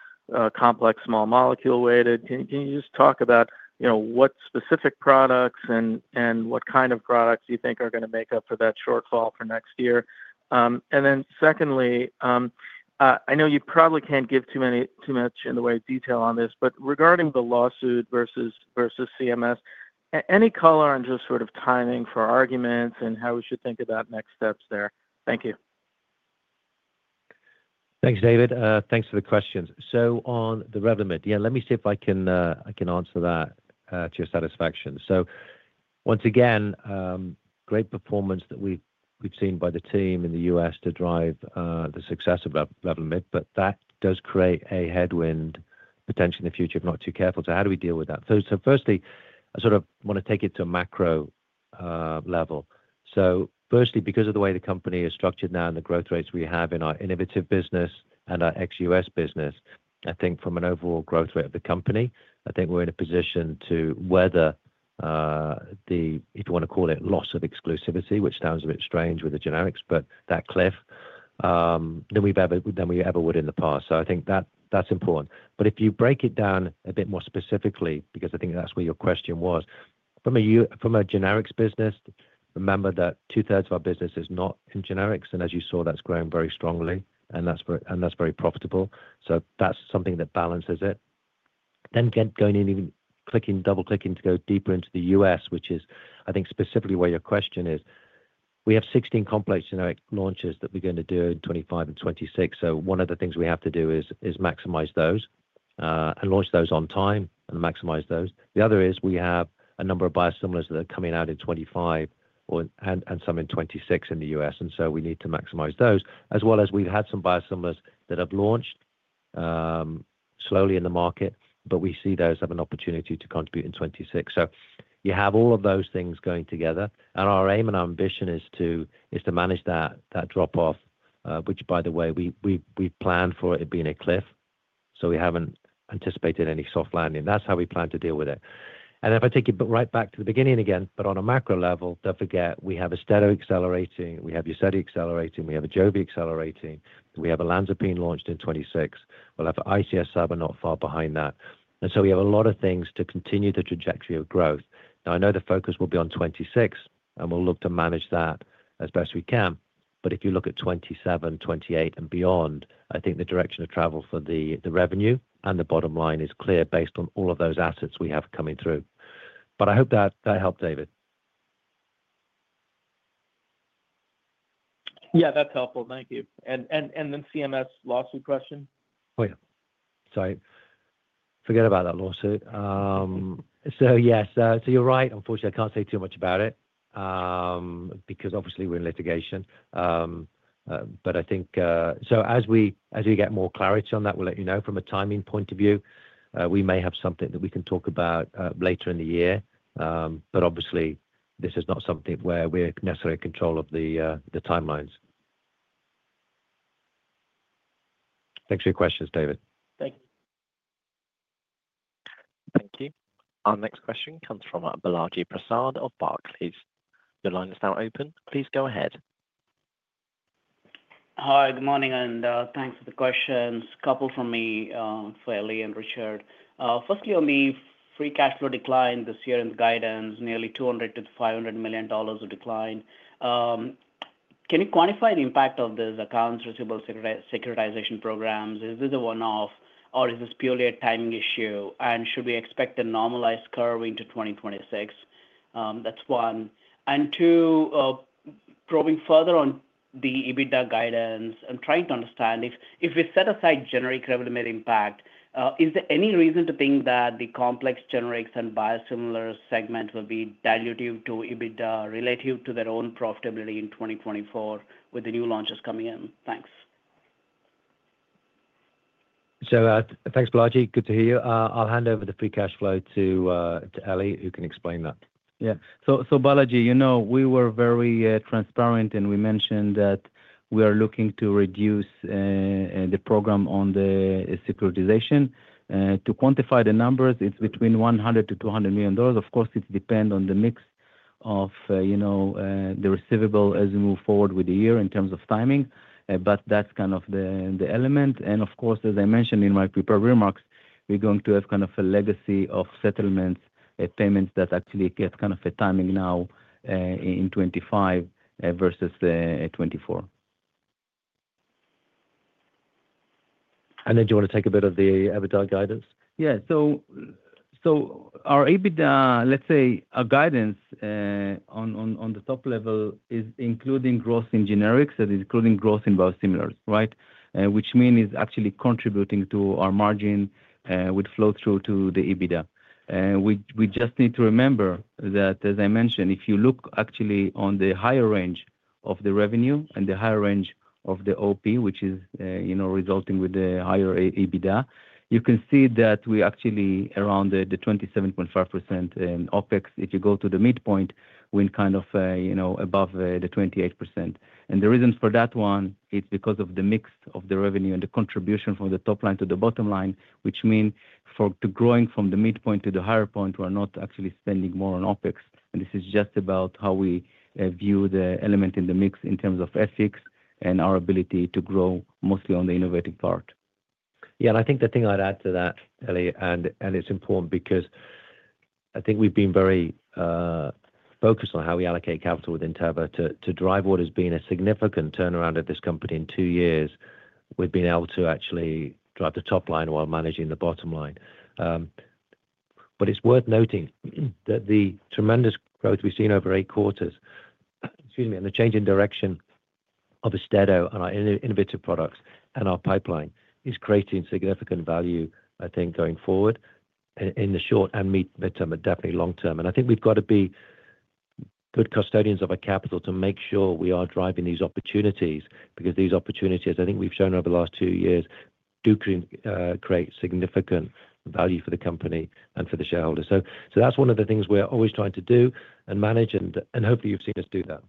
complex small molecule-weighted? Can you just talk about what specific products and what kind of products you think are going to make up for that shortfall for next year? And then secondly, I know you probably can't give too much in the way of detail on this, but regarding the lawsuit versus CMS, any color on just sort of timing for arguments and how we should think about next steps there? Thank you. Thanks, David. Thanks for the questions. So on the Revlimid, yeah, let me see if I can answer that to your satisfaction. Once again, great performance that we've seen by the team in the U.S. to drive the success of Revlimid, but that does create a headwind potentially in the future if not too careful. How do we deal with that? First, I sort of want to take it to a macro level. First, because of the way the company is structured now and the growth rates we have in our innovative business and our ex-U.S. business, I think from an overall growth rate of the company, I think we're in a position to weather the, if you want to call it, loss of exclusivity, which sounds a bit strange with the generics, but that cliff better than we ever would in the past. I think that's important. But if you break it down a bit more specifically, because I think that's where your question was, from a generics business, remember that two-thirds of our business is not in generics. And as you saw, that's growing very strongly, and that's very profitable. So that's something that balances it. Then going in, clicking, double-clicking to go deeper into the U.S., which is, I think, specifically where your question is, we have 16 complex generic launchers that we're going to do in 2025 and 2026. So one of the things we have to do is maximize those and launch those on time and maximize those. The other is we have a number of biosimilars that are coming out in 2025 and some in 2026 in the U.S. And so we need to maximize those, as well as we've had some biosimilars that have launched slowly in the market, but we see those have an opportunity to contribute in 2026. So you have all of those things going together. Our aim and our ambition is to manage that drop-off, which, by the way, we planned for it being a cliff. We haven't anticipated any soft landing. That's how we plan to deal with it. If I take you right back to the beginning again, but on a macro level, don't forget, we have AUSTEDO accelerating. We have UZEDY accelerating. We have AJOVY accelerating. We have olanzapine launched in 2026. We'll have ICS/SABA not far behind that. We have a lot of things to continue the trajectory of growth. Now, I know the focus will be on 2026, and we'll look to manage that as best we can, but if you look at 2027, 2028, and beyond, I think the direction of travel for the revenue and the bottom line is clear based on all of those assets we have coming through, but I hope that helped, David. Yeah, that's helpful. Thank you, and then CMS lawsuit question? Oh, yeah. Sorry. Forget about that lawsuit, so yes, so you're right. Unfortunately, I can't say too much about it because obviously we're in litigation, but I think so as we get more clarity on that, we'll let you know. From a timing point of view, we may have something that we can talk about later in the year, but obviously, this is not something where we're necessarily in control of the timelines. Thanks for your questions, David. Thank you. Thank you. Our next question comes from Balaji Prasad of Barclays. Your line is now open. Please go ahead. Hi. Good morning, and thanks for the questions. A couple from me for Eli and Richard. Firstly, on the free cash flow decline this year in the guidance, nearly $200 million-$500 million of decline. Can you quantify the impact of these accounts receivable securitization programs? Is this a one-off, or is this purely a timing issue? And should we expect a normalized curve into 2026? That's one. And two, probing further on the EBITDA guidance, I'm trying to understand if we set aside generic Revlimid impact, is there any reason to think that the complex generics and biosimilars segment will be diluted to EBITDA relative to their own profitability in 2024 with the new launches coming in? Thanks. So thanks, Balaji. Good to hear you. I'll hand over the free cash flow to Eli, who can explain that. Yeah. So Balaji, we were very transparent, and we mentioned that we are looking to reduce the program on the securitization. To quantify the numbers, it's between $100 million-$200 million. Of course, it depends on the mix of the receivable as we move forward with the year in terms of timing, but that's kind of the element. And of course, as I mentioned in my prepared remarks, we're going to have kind of a legacy of settlements, payments that actually get kind of a timing now in 2025 versus 2024. And then do you want to take a bit of the EBITDA guidance? Yeah. So our EBITDA, let's say our guidance on the top level is including growth in generics and including growth in biosimilars, right, which means it's actually contributing to our margin with flow-through to the EBITDA. We just need to remember that, as I mentioned, if you look actually on the higher range of the revenue and the higher range of the OP, which is resulting with the higher EBITDA, you can see that we actually are around the 27.5% in OpEx. If you go to the midpoint, we're kind of above the 28%. And the reason for that one, it's because of the mix of the revenue and the contribution from the top line to the bottom line, which means for growing from the midpoint to the higher point, we're not actually spending more on OpEx. This is just about how we view the element in the mix in terms of FX and our ability to grow mostly on the innovative part. Yeah. I think the thing I'd add to that, Eli, and it's important because I think we've been very focused on how we allocate capital within Teva to drive what has been a significant turnaround at this company in two years. We've been able to actually drive the top line while managing the bottom line. It's worth noting that the tremendous growth we've seen over eight quarters, excuse me, and the change in direction of AUSTEDO and innovative products and our pipeline is creating significant value, I think, going forward in the short and midterm, but definitely long term. I think we've got to be good custodians of our capital to make sure we are driving these opportunities because these opportunities, I think we've shown over the last two years, do create significant value for the company and for the shareholders. So that's one of the things we're always trying to do and manage, and hopefully you've seen us do that.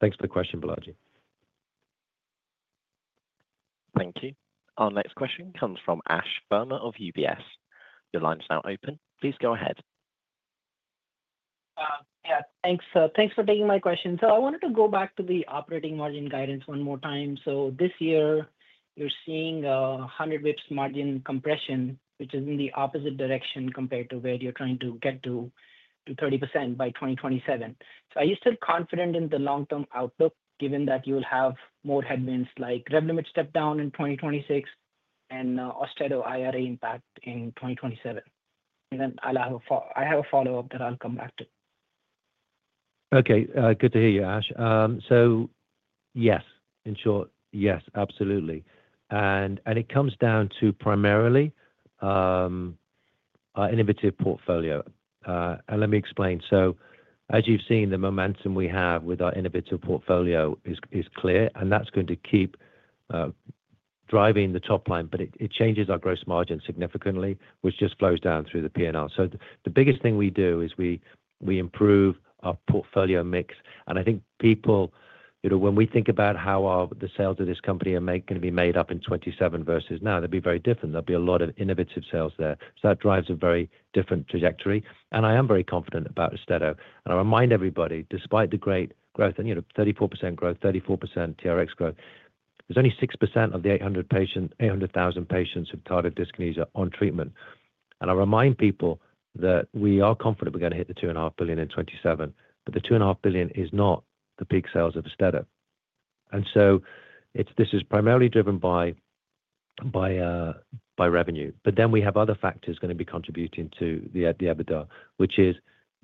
Thanks for the question, Balaji. Thank you. Our next question comes from Ashwani Verma of UBS. Your line is now open. Please go ahead. Yeah. Thanks for taking my question. So I wanted to go back to the operating margin guidance one more time. So this year, you're seeing a 100 basis points margin compression, which is in the opposite direction compared to where you're trying to get to 30% by 2027. So are you still confident in the long-term outlook given that you will have more headwinds like Revlimid step down in 2026 and AUSTEDO-IRA impact in 2027? And then I have a follow-up that I'll come back to. Okay. Good to hear you, Ash. So yes, in short, yes, absolutely. And it comes down to primarily our innovative portfolio. And let me explain. So as you've seen, the momentum we have with our innovative portfolio is clear, and that's going to keep driving the top line, but it changes our gross margin significantly, which just flows down through the P&L. So the biggest thing we do is we improve our portfolio mix. And I think people, when we think about how the sales of this company are going to be made up in 2027 versus now, they'll be very different. There'll be a lot of innovative sales there. So that drives a very different trajectory. And I am very confident about AUSTEDO. And I remind everybody, despite the great growth, and 34% growth, 34% TRx growth, there's only 6% of the 800,000 patients with tardive dyskinesia on treatment. And I remind people that we are confident we're going to hit the $2.5 billion in 2027, but the $2.5 billion is not the peak sales of AUSTEDO. And so this is primarily driven by revenue. But then we have other factors going to be contributing to the EBITDA, which is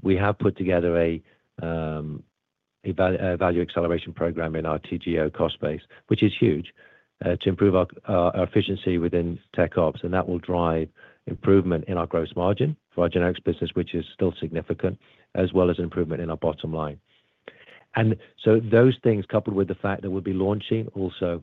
we have put together a value acceleration program in our TGO cost base, which is huge to improve our efficiency within tech ops. And that will drive improvement in our gross margin for our generics business, which is still significant, as well as improvement in our bottom line. And so those things coupled with the fact that we'll be launching also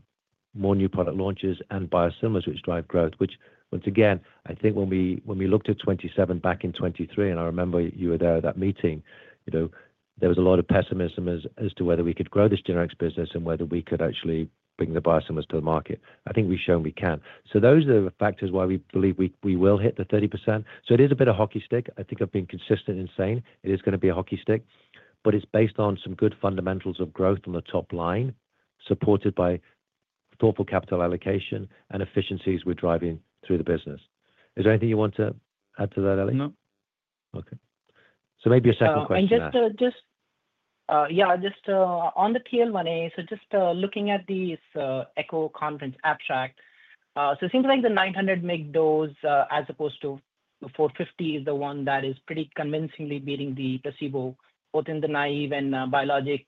more new product launches and biosimilars, which drive growth, which, once again, I think when we looked at 2027 back in 2023, and I remember you were there at that meeting, there was a lot of pessimism as to whether we could grow this generics business and whether we could actually bring the biosimilars to the market. I think we've shown we can. So those are the factors why we believe we will hit the 30%. So it is a bit of hockey stick. I think I've been consistent in saying it is going to be a hockey stick, but it's based on some good fundamentals of growth on the top line supported by thoughtful capital allocation and efficiencies we're driving through the business. Is there anything you want to add to that, Eli? No. Okay. So maybe a second question. Yeah. Just on the TL1A, so just looking at this ECCO Conference abstract, so it seems like the 900 mg dose as opposed to 450 mg is the one that is pretty convincingly beating the placebo both in the naive and biologics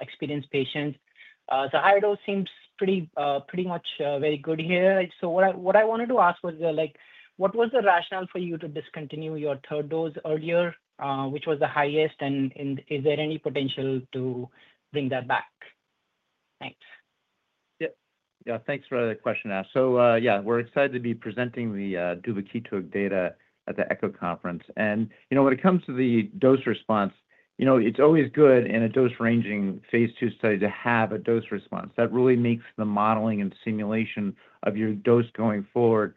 experienced patients. So higher dose seems pretty much very good here. So what I wanted to ask was, what was the rationale for you to discontinue your third dose earlier, which was the highest? And is there any potential to bring that back? Thanks. Yeah. Yeah. Thanks for the question, Ash. So yeah, we're excited to be presenting the duvakitug data at the ECCO Conference. And when it comes to the dose response, it's always good in a dose-ranging phase II study to have a dose response. That really makes the modeling and simulation of your dose going forward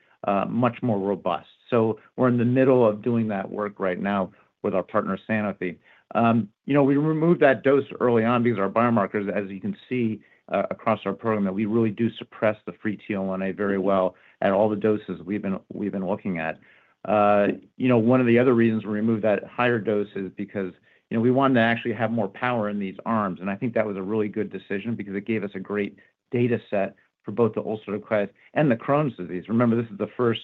much more robust. So we're in the middle of doing that work right now with our partner, Sanofi. We removed that dose early on because our biomarkers, as you can see across our program, that we really do suppress the free TL-1A very well at all the doses we've been looking at. One of the other reasons we removed that higher dose is because we wanted to actually have more power in these arms. And I think that was a really good decision because it gave us a great data set for both the ulcerative colitis and the Crohn's disease. Remember, this is the first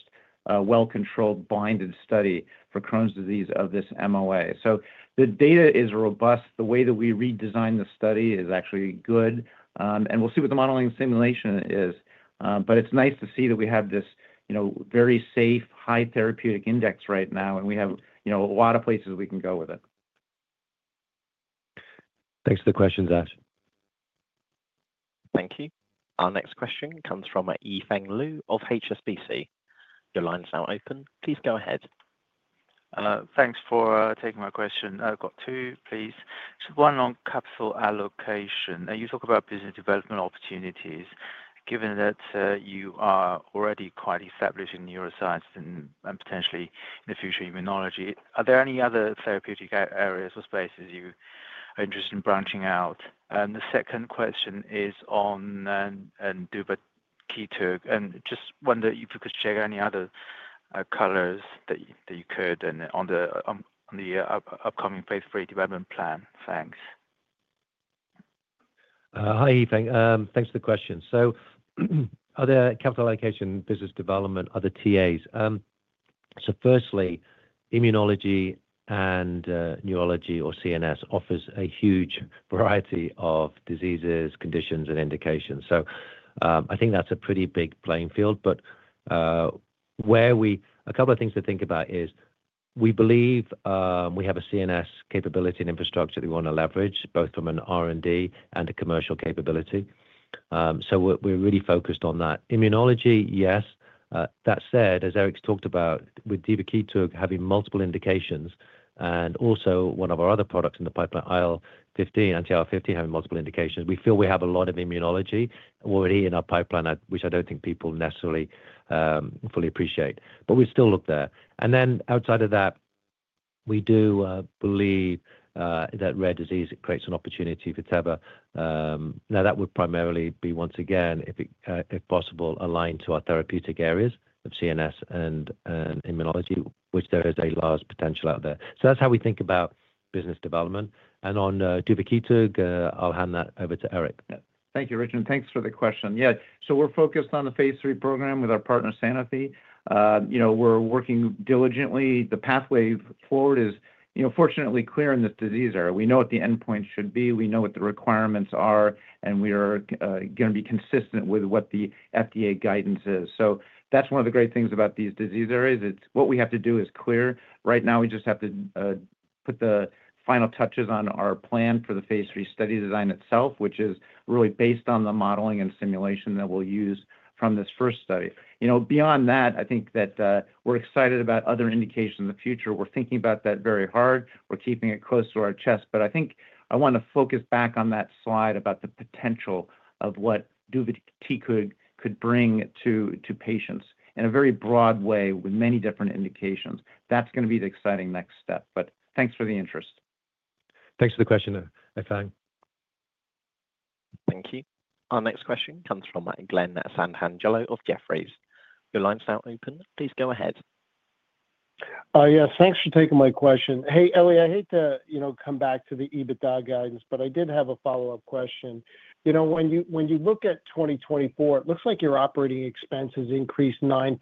well-controlled blinded study for Crohn's disease of this MOA. So the data is robust. The way that we redesigned the study is actually good. And we'll see what the modeling and simulation is. But it's nice to see that we have this very safe, high therapeutic index right now, and we have a lot of places we can go with it. Thanks for the questions, Ash. Thank you. Our next question comes from Yifeng Liu of HSBC. Your line is now open. Please go ahead. Thanks for taking my question. I've got two, please. One on capital allocation. You talk about business development opportunities. Given that you are already quite established in neuroscience and potentially in the future, immunology, are there any other therapeutic areas or spaces you are interested in branching out? And the second question is on duvakitug. And just wonder if you could share any other colors that you could on the upcoming phase III development plan? Thanks. Hi, Yifeng. Thanks for the question. So are there capital allocation business development other TAs? So firstly, immunology and neurology or CNS offers a huge variety of diseases, conditions, and indications. So I think that's a pretty big playing field. But a couple of things to think about is we believe we have a CNS capability and infrastructure that we want to leverage both from an R&D and a commercial capability. So we're really focused on that. Immunology, yes. That said, as Eric's talked about, with duvakitug having multiple indications and also one of our other products in the pipeline, IL-15, anti-IL-15, having multiple indications, we feel we have a lot of immunology already in our pipeline, which I don't think people necessarily fully appreciate. But we still look there. And then outside of that, we do believe that rare disease creates an opportunity for Teva. Now, that would primarily be, once again, if possible, aligned to our therapeutic areas of CNS and immunology, which there is a large potential out there. So that's how we think about business development. And on duvakitug, I'll hand that over to Eric. Thank you, Richard. And thanks for the question. Yeah. So we're focused on the phase III program with our partner, Sanofi. We're working diligently. The pathway forward is, fortunately, clear in this disease area. We know what the endpoint should be. We know what the requirements are, and we are going to be consistent with what the FDA guidance is. So that's one of the great things about these disease areas. What we have to do is clear. Right now, we just have to put the final touches on our plan for the phase III study design itself, which is really based on the modeling and simulation that we'll use from this first study. Beyond that, I think that we're excited about other indications in the future. We're thinking about that very hard. We're keeping it close to our chest. But I think I want to focus back on that slide about the potential of what duvakitug could bring to patients in a very broad way with many different indications. That's going to be the exciting next step. But thanks for the interest. Thanks for the question, Yifeng. Thank you. Our next question comes from Glen Santangelo of Jefferies. Your line's now open. Please go ahead. Yes. Thanks for taking my question. Hey, Eli, I hate to come back to the EBITDA guidance, but I did have a follow-up question. When you look at 2024, it looks like your operating expenses increased 9%.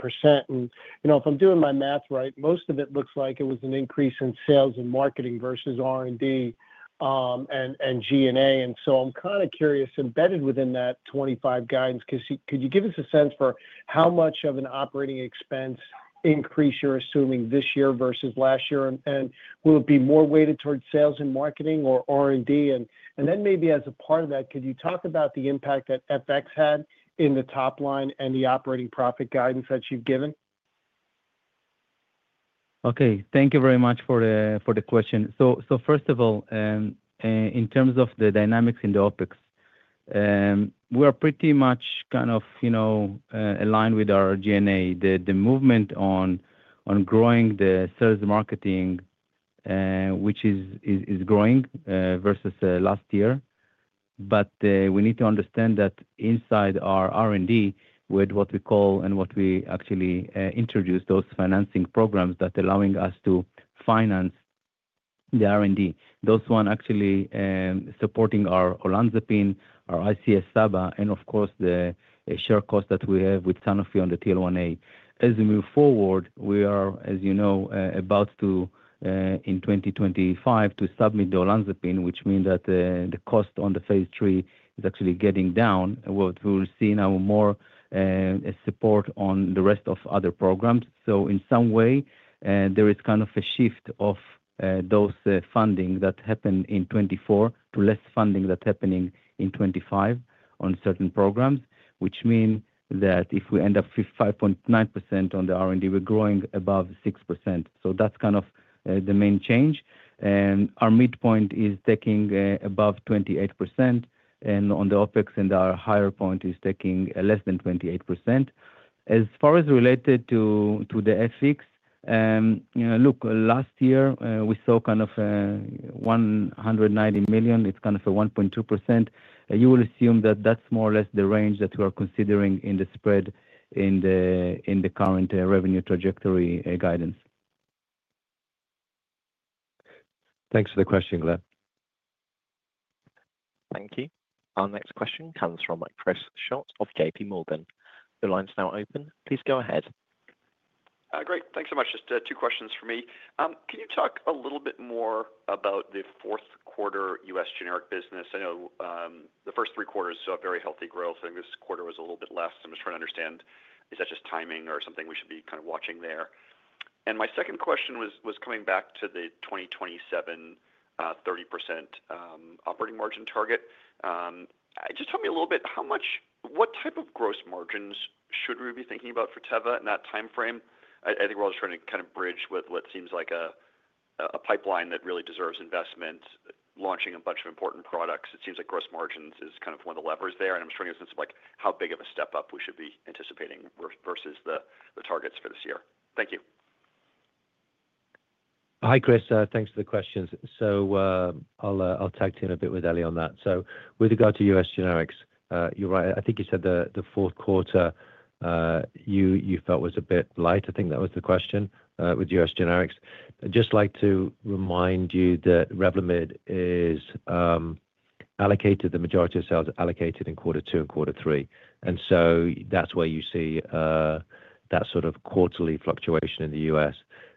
And if I'm doing my math right, most of it looks like it was an increase in sales and marketing versus R&D and G&A. And so I'm kind of curious, embedded within that 2025 guidance, could you give us a sense for how much of an operating expense increase you're assuming this year versus last year? And will it be more weighted towards sales and marketing or R&D? And then maybe as a part of that, could you talk about the impact that FX had in the top line and the operating profit guidance that you've given? Okay. Thank you very much for the question. First of all, in terms of the dynamics in the OpEx, we are pretty much kind of aligned with our G&A. The movement on growing the sales and marketing, which is growing versus last year. But we need to understand that inside our R&D, with what we call and what we actually introduce, those financing programs that are allowing us to finance the R&D, those one actually supporting our olanzapine, our ICS/SABA, and of course, the share cost that we have with Sanofi on the TL1A. As we move forward, we are, as you know, about to, in 2025, submit the olanzapine, which means that the cost on the phase III is actually getting down. We will see now more support on the rest of other programs. So in some way, there is kind of a shift of those funding that happened in 2024 to less funding that's happening in 2025 on certain programs, which means that if we end up 5.9% on the R&D, we're growing above 6%. So that's kind of the main change. And our midpoint is taking above 28% on the OpEx, and our higher point is taking less than 28%. As far as related to the FX, look, last year, we saw kind of $190 million. It's kind of a 1.2%. You will assume that that's more or less the range that we are considering in the spread in the current revenue trajectory guidance. Thanks for the question, Glen. Thank you. Our next question comes from Chris Schott of JPMorgan. The line's now open. Please go ahead. Great. Thanks so much. Just two questions for me. Can you talk a little bit more about the fourth quarter U.S. generic business? I know the first three quarters saw very healthy growth. I think this quarter was a little bit less. I'm just trying to understand. Is that just timing or something we should be kind of watching there? And my second question was coming back to the 2027 30% operating margin target. Just tell me a little bit, what type of gross margins should we be thinking about for Teva in that timeframe? I think we're all just trying to kind of bridge with what seems like a pipeline that really deserves investment, launching a bunch of important products. It seems like gross margins is kind of one of the levers there. And I'm just trying to get a sense of how big of a step up we should be anticipating versus the targets for this year. Thank you. Hi, Chris. Thanks for the questions. So I'll tag team a bit with Eli on that. So with regard to U.S. generics, you're right. I think you said the fourth quarter you felt was a bit light. I think that was the question with U.S. generics. I'd just like to remind you that Revlimid is allocated, the majority of sales allocated in quarter two and quarter three. And so that's where you see that sort of quarterly fluctuation in the U.S.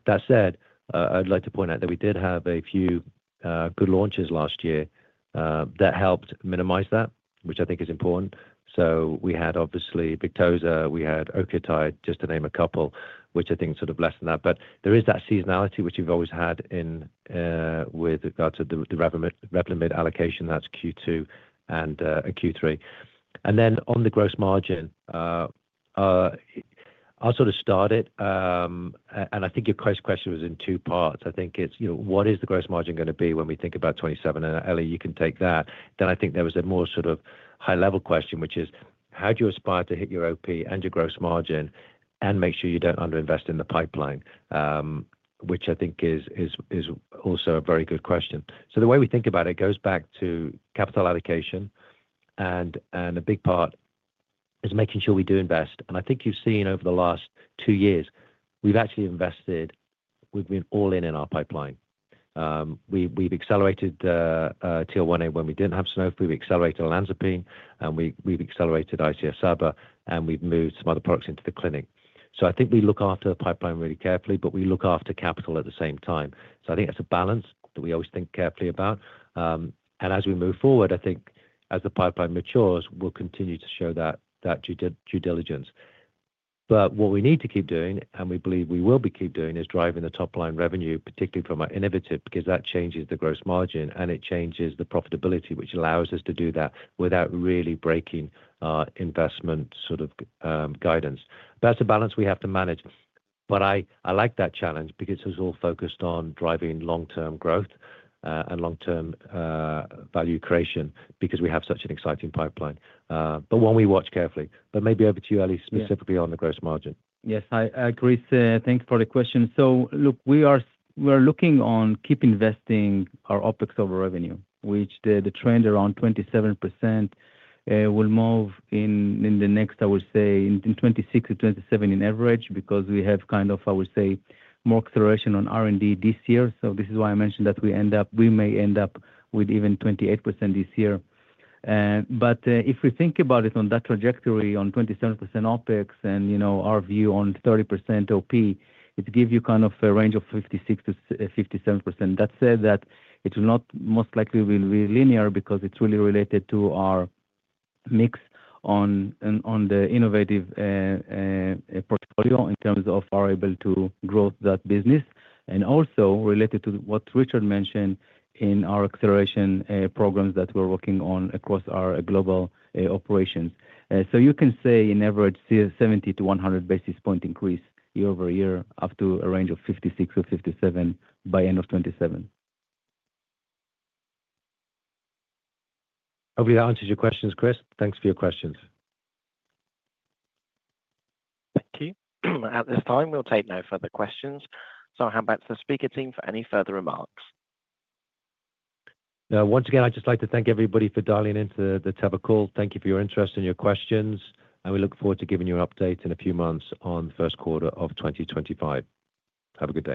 That said, I'd like to point out that we did have a few good launches last year that helped minimize that, which I think is important. So we had obviously Victoza. We had octreotide, just to name a couple, which I think sort of lessened that. But there is that seasonality, which we've always had with regard to the Revlimid allocation. That's Q2 and Q3. And then on the gross margin, I'll sort of start it. I think your first question was in two parts. I think it's, what is the gross margin going to be when we think about 2027? And Eli, you can take that. Then I think there was a more sort of high-level question, which is, how do you aspire to hit your OP and your gross margin and make sure you don't underinvest in the pipeline, which I think is also a very good question. The way we think about it goes back to capital allocation. A big part is making sure we do invest. I think you've seen over the last two years, we've actually invested. We've been all in in our pipeline. We've accelerated TL-1A when we didn't have Sanofi. We've accelerated olanzapine. And we've accelerated ICS/SABA. We've moved some other products into the clinic. I think we look after the pipeline really carefully, but we look after capital at the same time. I think it's a balance that we always think carefully about. As we move forward, I think as the pipeline matures, we'll continue to show that due diligence. What we need to keep doing, and we believe we will keep doing, is driving the top-line revenue, particularly from our innovative, because that changes the gross margin and it changes the profitability, which allows us to do that without really breaking our investment sort of guidance. That's a balance we have to manage. I like that challenge because it was all focused on driving long-term growth and long-term value creation because we have such an exciting pipeline. One we watch carefully. But maybe over to you, Eli, specifically on the gross margin. Yes. I agree. Thanks for the question. So look, we are looking to keep investing our OpEx over revenue, which the trend around 27% will move in the next, I would say, in 2026 to 2027 on average because we have kind of, I would say, more acceleration on R&D this year. So this is why I mentioned that we may end up with even 28% this year. But if we think about it on that trajectory, on 27% OpEx and our view on 30% OP, it gives you kind of a range of 56%-57%. That said, that it will not most likely be linear because it's really related to our mix on the innovative portfolio in terms of our ability to grow that business. Also related to what Richard mentioned in our acceleration programs that we're working on across our global operations. You can say in average, 70 to 100 basis point increase year-over-year up to a range of 56 to 57 by end of 2027. I hope that answers your questions, Chris. Thanks for your questions. Thank you. At this time, we'll take no further questions. I'll hand back to the speaker team for any further remarks. Once again, I'd just like to thank everybody for dialing into the Teva call. Thank you for your interest and your questions. We look forward to giving you an update in a few months on the first quarter of 2025. Have a good day.